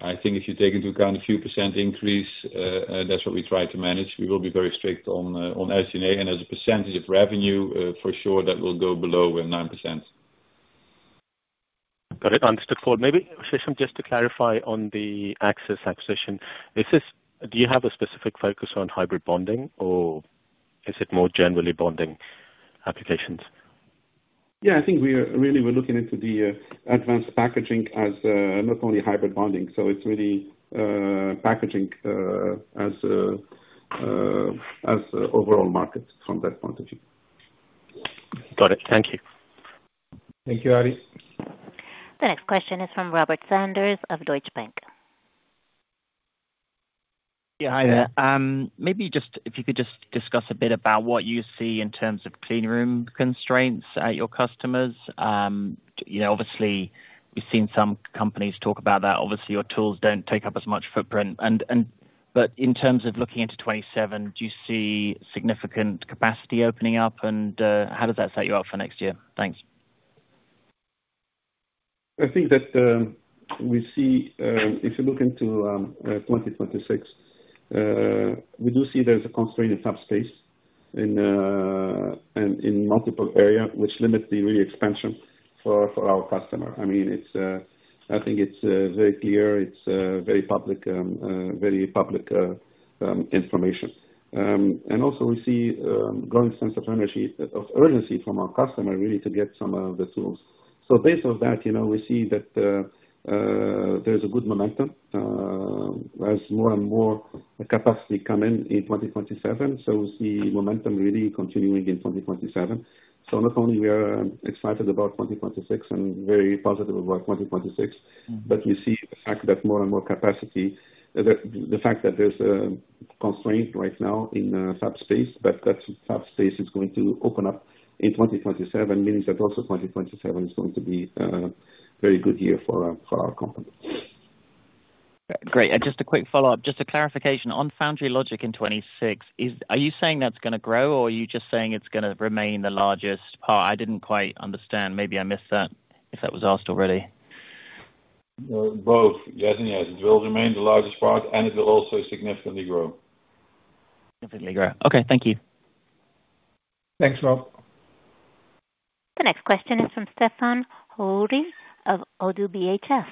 I think if you take into account a few % increase, that's what we try to manage. We will be very strict on SG&A and as a percentage of revenue, for sure that will go below 9%. Got it. Understood, Paul. Maybe, Hichem, just to clarify on the Axus acquisition. Do you have a specific focus on hybrid bonding or is it more generally bonding applications? Yeah, I think we are really looking into the advanced packaging as not only hybrid bonding, so it's really packaging as an overall market from that point of view. Got it. Thank you. Thank you, Adithya. The next question is from Robert Sanders of Deutsche Bank. Yeah. Hi there. Maybe just if you could just discuss a bit about what you see in terms of clean room constraints at your customers? Yeah, obviously we've seen some companies talk about that. Obviously, your tools don't take up as much footprint. In terms of looking into 2027, do you see significant capacity opening up? How does that set you up for next year? Thanks. I think that we see, if you look into 2026, we do see there's a constraint in fab space in multiple area which limits the really expansion for our customer. I mean, it's, I think it's very clear, it's very public information. Also we see growing sense of urgency from our customer really to get some of the tools. Based on that, you know, we see that there's a good momentum as more and more capacity come in in 2027. We see momentum really continuing in 2027. Not only we are excited about 2026 and very positive about 2026, but we see the fact that more and more capacity, the fact that there's a constraint right now in fab space, but that fab space is going to open up in 2027, meaning that also 2027 is going to be a very good year for our company. Great. Just a quick follow-up, just a clarification. On foundry logic in 2026, are you saying that's gonna grow or are you just saying it's gonna remain the largest part? I didn't quite understand. Maybe I missed that, if that was asked already. both. Yes and yes. It will remain the largest part and it will also significantly grow. Significantly grow. Okay, thank you. Thanks, Rob. The next question is from Stéphane Houri of Oddo BHF.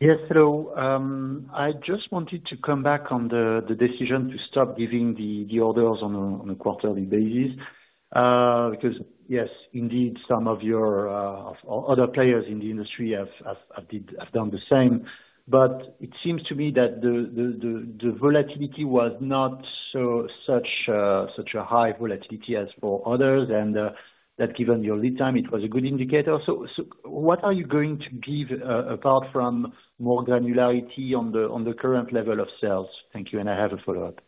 Yes, hello. I just wanted to come back on the decision to stop giving the orders on a quarterly basis, because yes, indeed, some of your other players in the industry have done the same. It seems to me that the volatility was not so such a high volatility as for others, and that given your lead time it was a good indicator. What are you going to give apart from more granularity on the current level of sales? Thank you. I have a follow-up.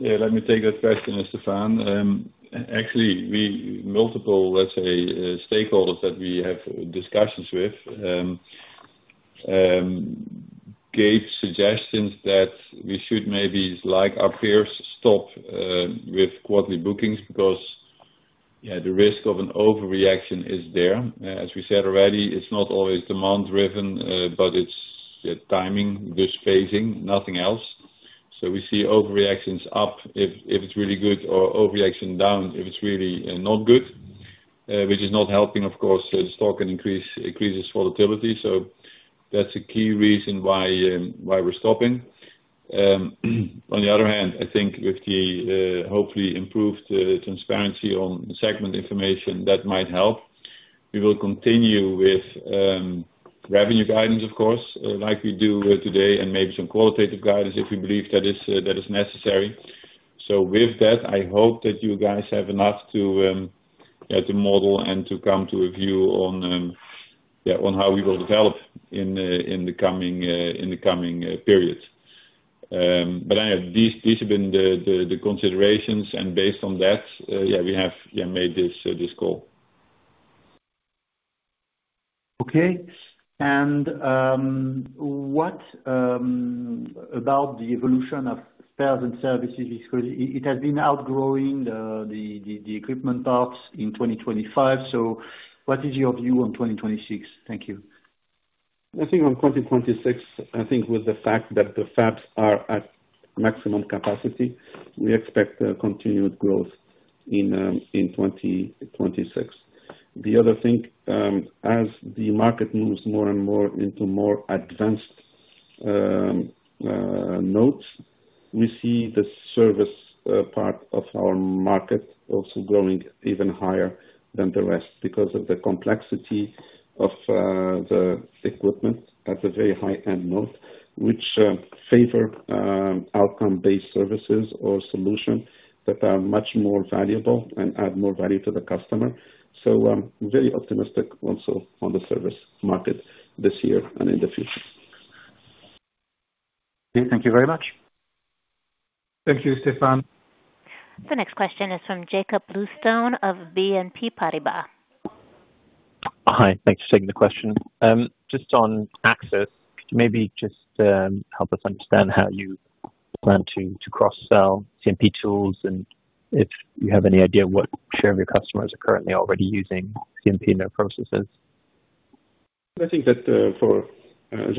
Yeah, let me take that question, Stephan. Actually Multiple, let's say, stakeholders that we have discussions with, gave suggestions that we should maybe, like our peers, stop with quarterly bookings because, yeah, the risk of an overreaction is there. As we said already, it's not always demand driven, but it's the timing, the spacing, nothing else. We see overreactions up if it's really good or overreaction down if it's really not good, which is not helping, of course, the stock and increases volatility. That's a key reason why we're stopping. On the other hand, I think with the hopefully improved transparency on segment information, that might help. We will continue with revenue guidance, of course, like we do today and maybe some qualitative guidance if we believe that is necessary. With that, I hope that you guys have enough to model and to come to a view on how we will develop in the coming periods. These have been the considerations, and based on that, we have made this call. Okay. What about the evolution of sales and services, is 'cause it has been outgrowing the equipment parts in 2025. What is your view on 2026? Thank you. I think on 2026, I think with the fact that the fabs are at maximum capacity, we expect a continued growth in 2026. The other thing as the market moves more and more into more advanced nodes, we see the service part of our market also growing even higher than the rest because of the complexity of the equipment at a very high-end node, which favor outcome-based services or solution that are much more valuable and add more value to the customer. I'm very optimistic also on the service market this year and in the future. Okay, thank you very much. Thank you, Stephan. The next question is from Jakob Bluestone of BNP Paribas. Hi. Thanks for taking the question. Just on Axus, could you maybe just help us understand how you plan to cross-sell CMP tools and if you have any idea what share of your customers are currently already using CMP in their processes? I think that, for Axus,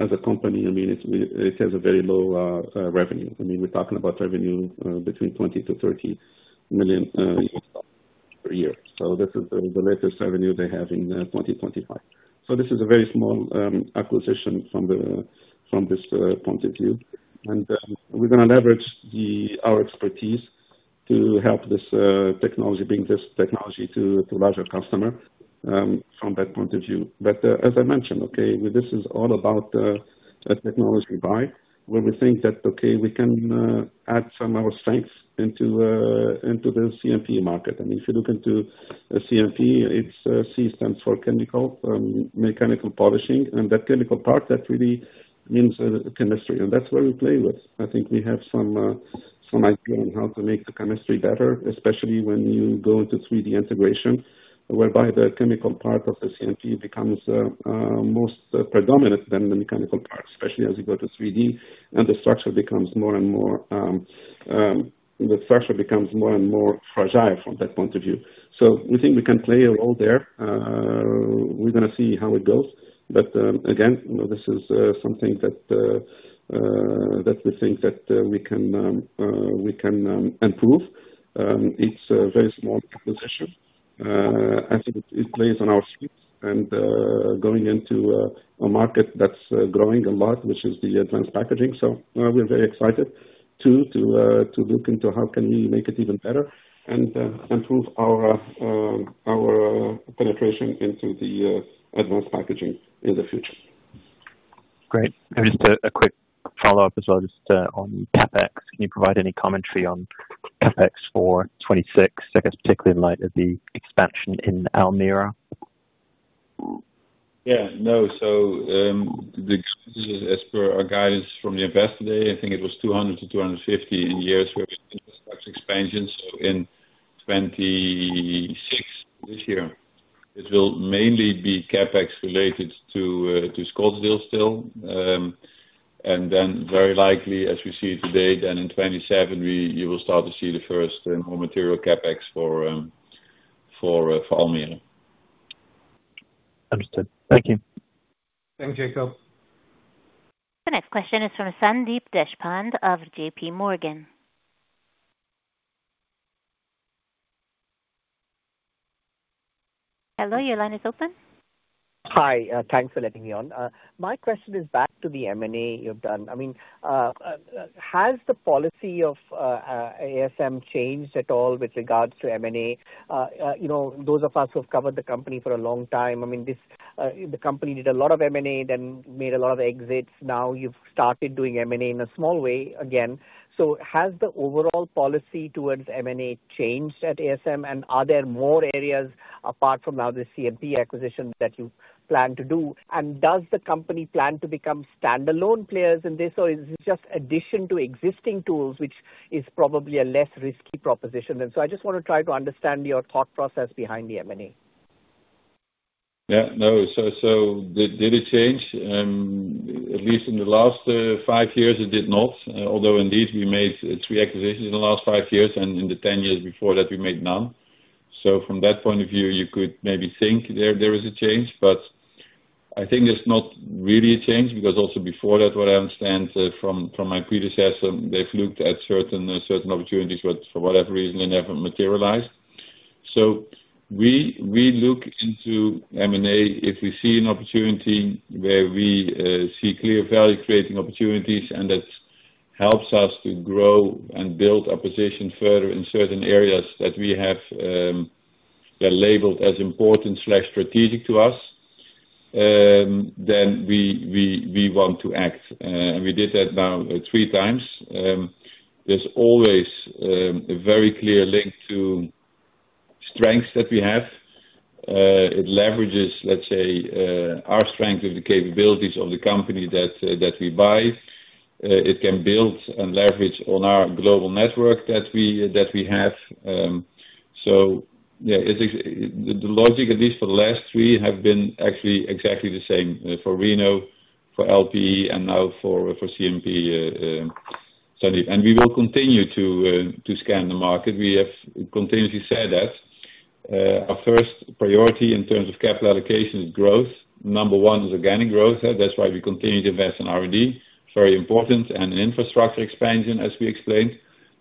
as a company, I mean, it has a very low revenue. I mean, we're talking about revenue between 20 million-30 million per year. This is the latest revenue they have in 2025. This is a very small acquisition from this point of view. We're gonna leverage our expertise to help this technology bring this technology to larger customer from that point of view. As I mentioned, this is all about a technology buy, where we think that we can add some of our strengths into the CMP in market. I mean, if you look into a CMP, it's C stands for chemical, mechanical polishing. That chemical part, that really means chemistry. That's where we play with. I think we have some idea on how to make the chemistry better, especially when you go into integration, whereby the chemical part of the CMP becomes most predominant than the mechanical part, especially as you go to 3D, the structure becomes more and more fragile from that point of view. We think we can play a role there. We're gonna see how it goes. Again, this is something that we think that we can improve. It's a very small proposition, as it plays on our sheets and going into a market that's growing a lot, which is the advanced packaging. We're very excited to look into how can we make it even better and improve our penetration into the advanced packaging in the future. Great. Just a quick follow-up as well, just on CapEx. Can you provide any commentary on CapEx for 2026, I guess, particularly in light of the expansion in Almere? Yeah. No. The expenses as per our guidance from the investor day, I think it was 200-250 in years where we inaudible expansion. In 2026, this year, it will mainly be CapEx related to Scottsdale still. Very likely, as we see it today, in 2027, you will start to see the first raw material CapEx for Almere. Understood. Thank you. Thanks, Jakob. The next question is from Sandeep Deshpande of JP Morgan. Hello, your line is open. Hi. Thanks for letting me on. My question is back to the M&A you've done. I mean, has the policy of ASM changed at all with regards to M&A? You know, those of us who have covered the company for a long time, I mean, the company did a lot of M&A then made a lot of exits. Now you've started doing M&A in a small way again. Has the overall policy towards M&A changed at ASM, and are there more areas apart from now the CMP acquisition that you plan to do? Does the company plan to become standalone players in this, or is it just addition to existing tools, which is probably a less risky proposition? I just want to try to understand your thought process behind the M&A. Yeah. No. Did it change? At least in the last 5 years, it did not. Although indeed we made 3 acquisitions in the last 5 years, and in the 10 years before that, we made none. From that point of view, you could maybe think there is a change, but I think it's not really a change, because also before that what I understand from my predecessor, they've looked at certain opportunities, but for whatever reason, they never materialized. We look into M&A if we see an opportunity where we see clear value creating opportunities, and that helps us to grow and build our position further in certain areas that we have, they're labeled as important/strategic to us, then we want to act. We did that now 3 times. There's always a very clear link to strengths that we have. It leverages, let's say, our strength with the capabilities of the company that we buy. It can build and leverage on our global network that we have. It's the logic, at least for the last three, have been actually exactly the same for Reno, for LP and now for CMP, Sandeep. We will continue to scan the market. We have continuously said that our first priority in terms of capital allocation is growth. Number one is organic growth. That's why we continue to invest in R&D, very important, and infrastructure expansion as we explained.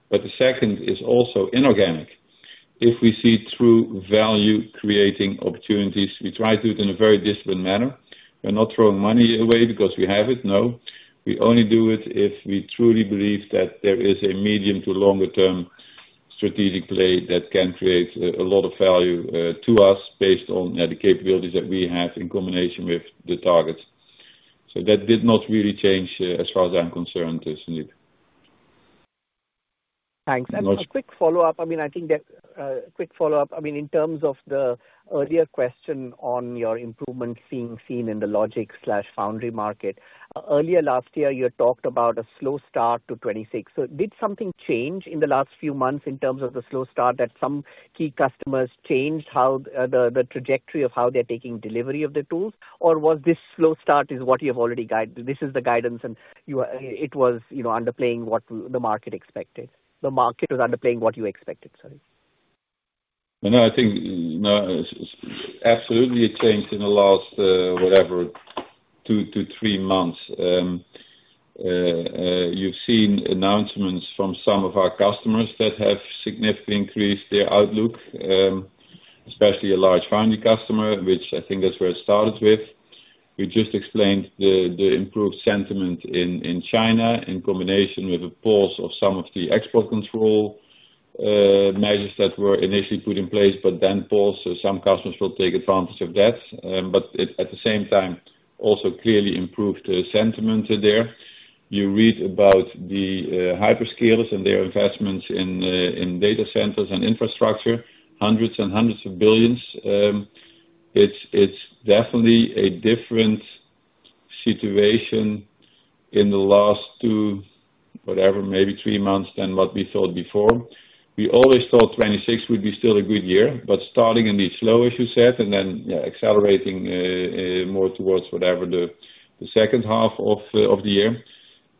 The second is also inorganic. If we see true value creating opportunities, we try to do it in a very disciplined manner. We're not throwing money away because we have it. No. We only do it if we truly believe that there is a medium to longer term strategic play that can create a lot of value, to us based on the capabilities that we have in combination with the targets. That did not really change as far as I'm concerned, Sandeep. Thanks. You're welcome. A quick follow-up. I mean, I think that, quick follow-up, I mean, in terms of the earlier question on your improvement being seen in the logic/foundry market. Earlier last year, you had talked about a slow start to 2026. Did something change in the last few months in terms of the slow start that some key customers changed how, the trajectory of how they're taking delivery of the tools? Or was this slow start is what you have already guide? This is the guidance and you are, it was, you know, underplaying what the market expected. The market was underplaying what you expected, sorry. No, I think, no, absolutely it changed in the last, whatever, 2-3 months. You've seen announcements from some of our customers that have significantly increased their outlook, especially a large founder customer, which I think that's where it started with. We just explained the improved sentiment in China in combination with a pause of some of the export control measures that were initially put in place, but then paused, so some customers will take advantage of that. At the same time, also clearly improved sentiment there. You read about the hyperscalers and their investments in data centers and infrastructure, hundreds of billions. It's definitely a different situation in the last 2, whatever, maybe 3 months than what we thought before. We always thought 2026 would be still a good year, but starting a bit slow, as you said, and then, yeah, accelerating more towards whatever the second half of the year.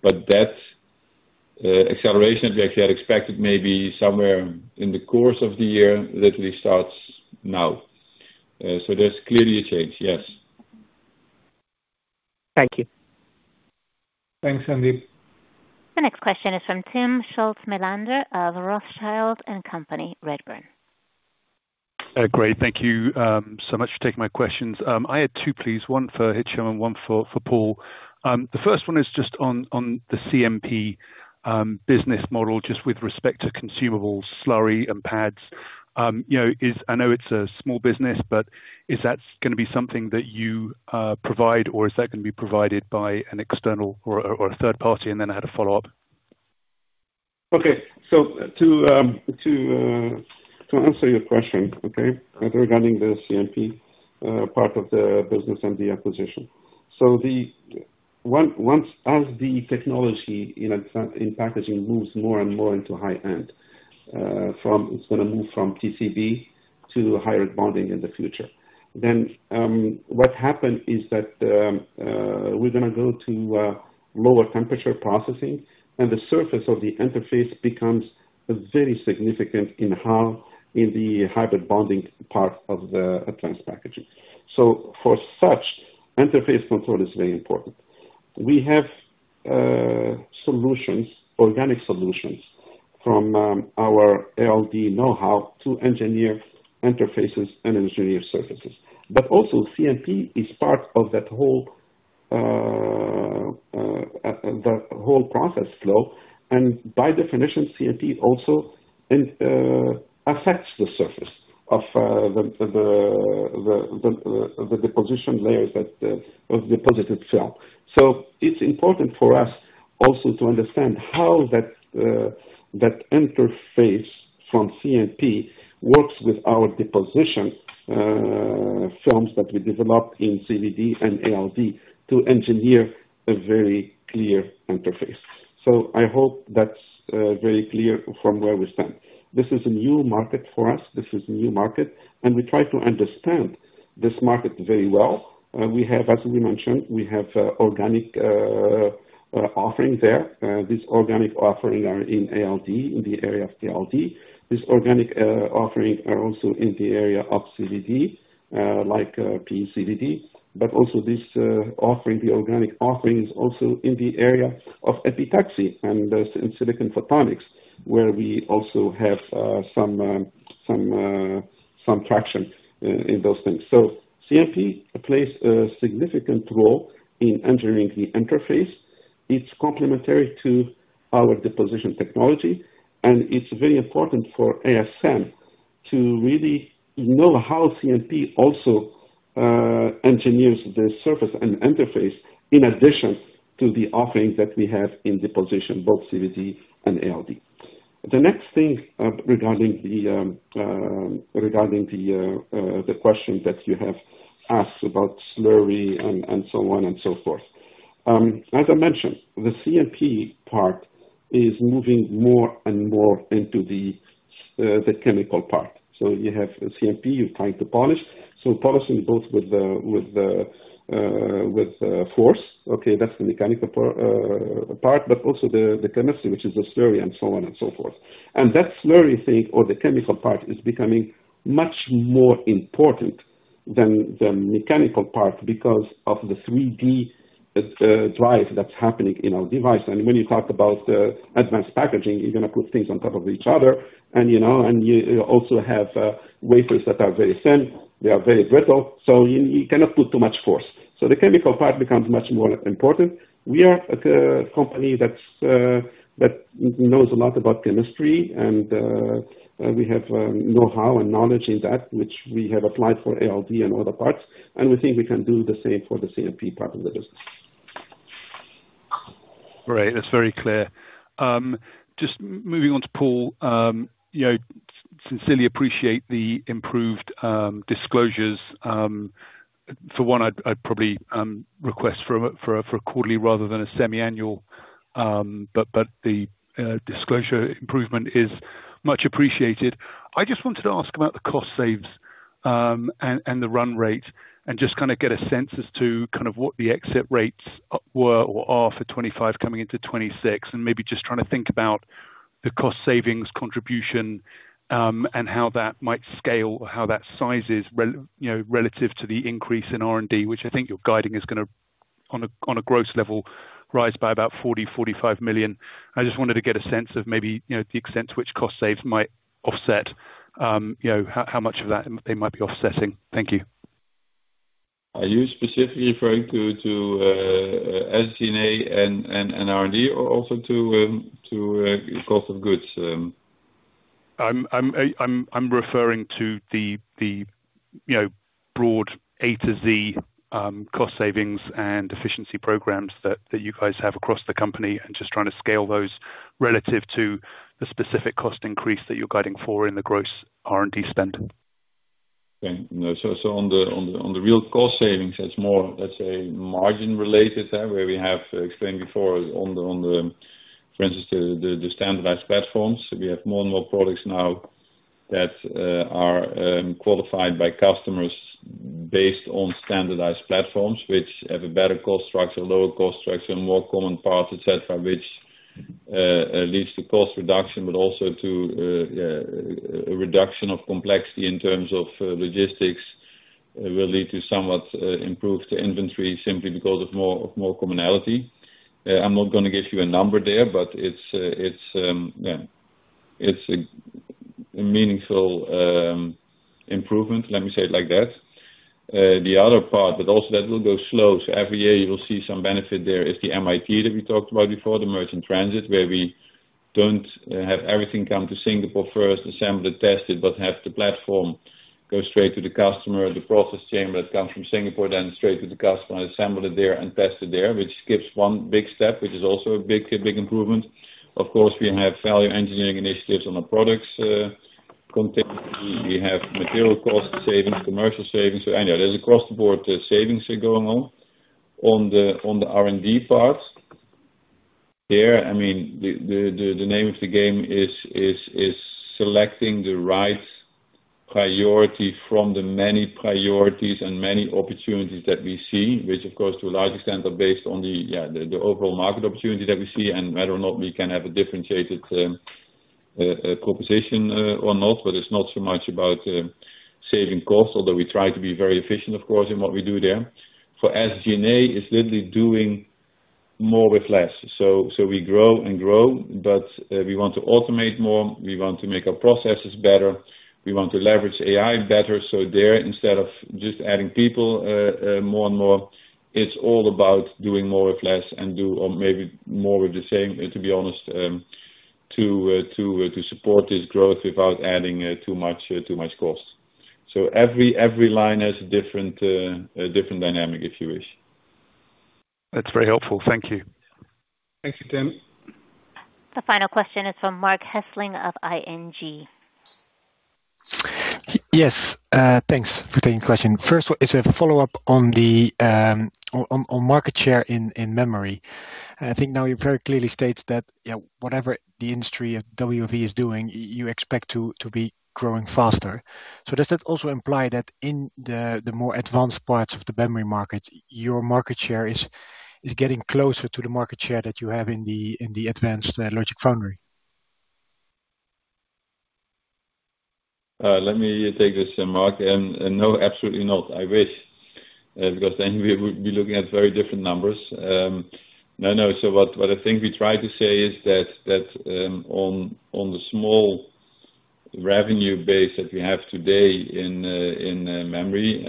That acceleration we actually had expected maybe somewhere in the course of the year, literally starts now. There's clearly a change, yes. Thank you. Thanks, Sandeep. The next question is from Timm Schulze-Melander of Rothschild & Co Redburn. Great. Thank you so much for taking my questions. I had two, please. One for Hichem and one for Paul. The first one is just on the CMP business model, just with respect to consumable slurry and pads. You know, I know it's a small business, but is that gonna be something that you provide, or is that gonna be provided by an external or a third party? I had a follow-up. To answer your question, okay, regarding the CMP part of the business and the acquisition. Once as the technology in packaging moves more and more into high-end, from, it's gonna move from TCB to hybrid bonding in the future. What happened is that, we're gonna go to lower temperature processing, and the surface of the interface becomes very significant in how in the hybrid bonding part of the advanced packaging. For such, interface control is very important. We have solutions, organic solutions from our ALD know-how to engineer interfaces and engineer surfaces. Also CMP is part of that whole process flow. By definition, CMP also affects the surface of the deposition layers that of deposited film. It's important for us also to understand how that interface from CMP works with our deposition films that we developed in CVD and ALD to engineer a very clear interface. I hope that's very clear from where we stand. This is a new market for us. This is a new market, and we try to understand this market very well. We have, as we mentioned, we have organic offering there. This organic offering are in ALD, in the area of ALD. This organic offering are also in the area of CVD, like PECVD. Also this offering, the organic offering, is also in the area of epitaxy and in silicon photonics, where we also have some traction in those things. CMP plays a significant role in engineering the interface. It's complementary to our deposition technology, and it's very important for ASM to really know how CMP also engineers the surface and interface in addition to the offering that we have in deposition, both CVD and ALD. The next thing regarding the regarding the question that you have asked about slurry and so on and so forth. As I mentioned, the CMP part is moving more and more into the chemical part. You have CMP, you're trying to polish, so polishing both with the with force, okay? That's the mechanical part, but also the chemistry, which is the slurry and so on and so forth. That slurry thing or the chemical part is becoming much more important than the mechanical part because of the 3D drive that's happening in our device. When you talk about advanced packaging, you're gonna put things on top of each other and, you know, you also have wafers that are very thin, they are very brittle, so you cannot put too much force. The chemical part becomes much more important. We are a company that knows a lot about chemistry and we have know-how and knowledge in that which we have applied for ALD and other parts. We think we can do the same for the CMP part of the business. Great. That's very clear. Just moving on to Paul Verhagen. You know, sincerely appreciate the improved disclosures. For one, I'd probably request for a quarterly rather than a semi-annual, but the disclosure improvement is much appreciated. I just wanted to ask about the cost saves and the run rate, and just kind of get a sense as to kind of what the exit rates were or are for 25 coming into 26. Maybe just trying to think about the cost savings contribution and how that might scale or how that sizes you know, relative to the increase in R&D, which I think you're guiding is gonna, on a gross level, rise by about 40 million-45 million. I just wanted to get a sense of maybe, you know, the extent to which cost saves might offset, you know, how much of that they might be offsetting. Thank you. Are you specifically referring to SG&A and R&D or also to cost of goods? I'm referring to the, you know, broad A to Z cost savings and efficiency programs that you guys have across the company, and just trying to scale those relative to the specific cost increase that you're guiding for in the gross R&D spend. Okay. No, on the real cost savings, that's more, let's say, margin related, where we have explained before on the, for instance, the standardized platforms. We have more and more products now that are qualified by customers based on standardized platforms, which have a better cost structure, lower cost structure, more common parts, et cetera, which leads to cost reduction, but also to a reduction of complexity in terms of logistics, will lead to somewhat improved inventory simply because of more commonality. I'm not gonna give you a number there, but it's, yeah, it's a meaningful improvement, let me say it like that. The other part, but also that will go slow, so every year you will see some benefit there is the MIT that we talked about before, the metal interconnect, where we don't have everything come to Singapore first, assemble it, test it, but have the platform go straight to the customer, the process chamber that comes from Singapore, then straight to the customer and assemble it there and test it there, which skips one big step, which is also a big improvement. Of course, we have value engineering initiatives on our products continuously. We have material cost savings, commercial savings. Anyway, there's across the board savings going on. On the R&D part, there, I mean, the name of the game is selecting the right priority from the many priorities and many opportunities that we see, which of course to a large extent are based on the, yeah, the overall market opportunity that we see and whether or not we can have a differentiated proposition or not. It's not so much about saving costs, although we try to be very efficient, of course, in what we do there. For SG&A, it's literally doing more with less. We grow and grow, but we want to automate more, we want to make our processes better, we want to leverage AI better. There, instead of just adding people, more and more, it's all about doing more with less and maybe more with the same, to be honest, to support this growth without adding too much, too much cost. Every line has a different, a different dynamic, if you wish. That's very helpful. Thank you. Thank you, Timm. The final question is from Marc Hesselink of ING. Yes. Thanks for taking the question. First one is a follow-up on the market share in memory. I think now you very clearly state that, you know, whatever the industry of WFE is doing, you expect to be growing faster. Does that also imply that in the more advanced parts of the memory market, your market share is getting closer to the market share that you have in the advanced logic foundry? Let me take this, Marc. No, absolutely not. I wish, because then we would be looking at very different numbers. No. What I think we try to say is that on the small revenue base that we have today in memory,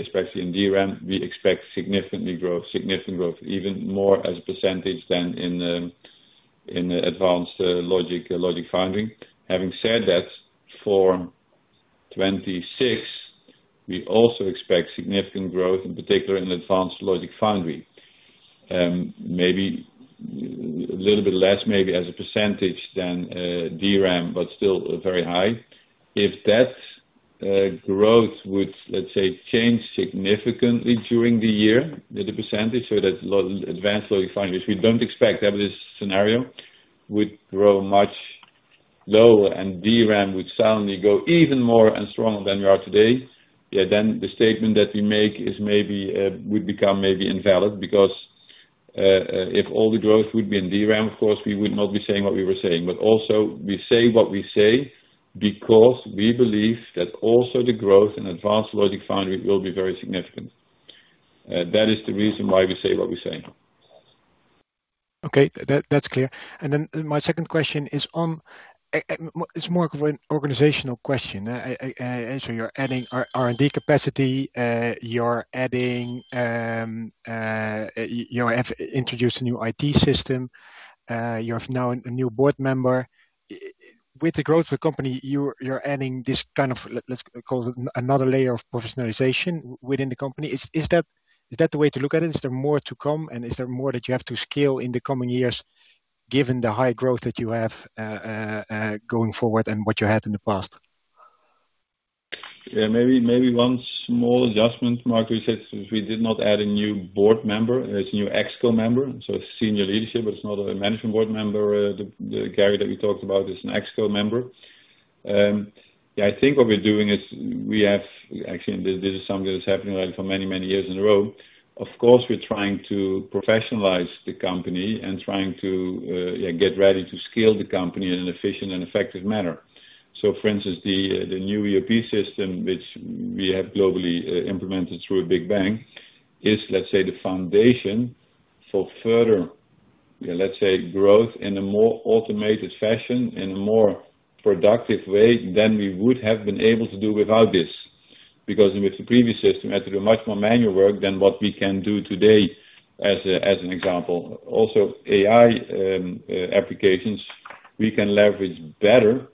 especially in DRAM, we expect significant growth, even more as a percentage than in advanced logic foundry. Having said that, for 2026, we also expect significant growth, in particular in advanced logic foundry. Maybe a little bit less, maybe as a percentage than DRAM, but still very high. If that growth would, let's say, change significantly during the year, the percentage, so that advanced logic foundry, which we don't expect that this scenario would grow much lower and DRAM would suddenly go even more and stronger than we are today, yeah, then the statement that we make is maybe would become maybe invalid because if all the growth would be in DRAM, of course, we would not be saying what we were saying. Also we say what we say because we believe that also the growth in advanced logic foundry will be very significant. That is the reason why we say what we're saying. Okay. That's clear. My second question is on, it's more of an organizational question. You're adding R&D capacity, you're adding, you have introduced a new IT system. You have now a new board member. With the growth of the company, you're adding this kind of, let's call it another layer of professionalization within the company. Is that the way to look at it? Is there more to come and is there more that you have to scale in the coming years given the high growth that you have going forward and what you had in the past? Maybe one small adjustment, Marc. We said since we did not add a new board member, it's a new ExCo member, so senior leadership, but it's not a management board member. The Gary that we talked about is an ExCo member. I think what we're doing is we have. Actually, this is something that's happening like for many, many years in a row. Of course, we're trying to professionalize the company and trying to get ready to scale the company in an efficient and effective manner. For instance, the new ERP system, which we have globally implemented through a Big Bang, is, let's say, the foundation for further, let's say, growth in a more automated fashion and a more productive way than we would have been able to do without this. Because with the previous system, we had to do much more manual work than what we can do today, as an example. Also, AI applications we can leverage better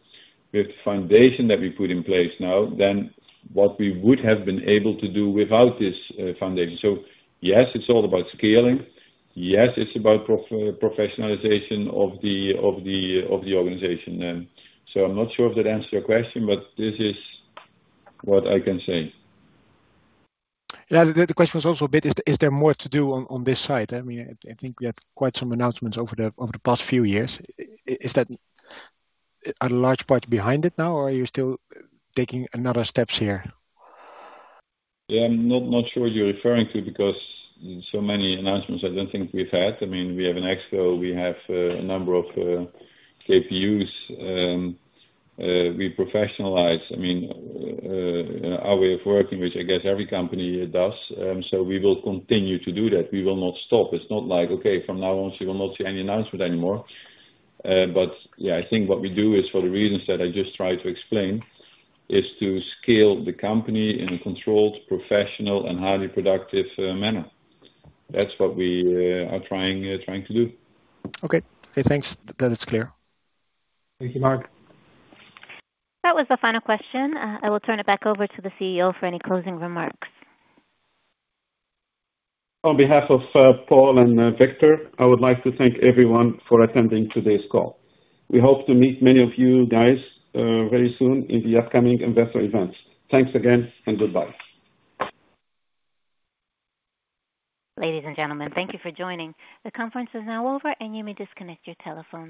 with the foundation that we put in place now than what we would have been able to do without this foundation. Yes, it's all about scaling. Yes, it's about professionalization of the organization. I'm not sure if that answers your question, but this is what I can say. Yeah. The question was also a bit, is there more to do on this side? I mean, I think we had quite some announcements over the past few years. Is that a large part behind it now or are you still taking another steps here? Yeah, I'm not sure what you're referring to because so many announcements I don't think we've had. I mean, we have an ExCo. We have a number of KPIs. We professionalize, I mean, our way of working, which I guess every company does. We will continue to do that. We will not stop. It's not like, okay, from now on you will not see any announcement anymore. Yeah, I think what we do is for the reasons that I just tried to explain, is to scale the company in a controlled, professional and highly productive manner. That's what we are trying to do. Okay. Thanks. That is clear. Thank you, Marc. That was the final question. I will turn it back over to the CEO for any closing remarks. On behalf of Paul and Victor, I would like to thank everyone for attending today's call. We hope to meet many of you guys very soon in the upcoming investor events. Thanks again and goodbye. Ladies and gentlemen, thank you for joining. The conference is now over and you may disconnect your telephones.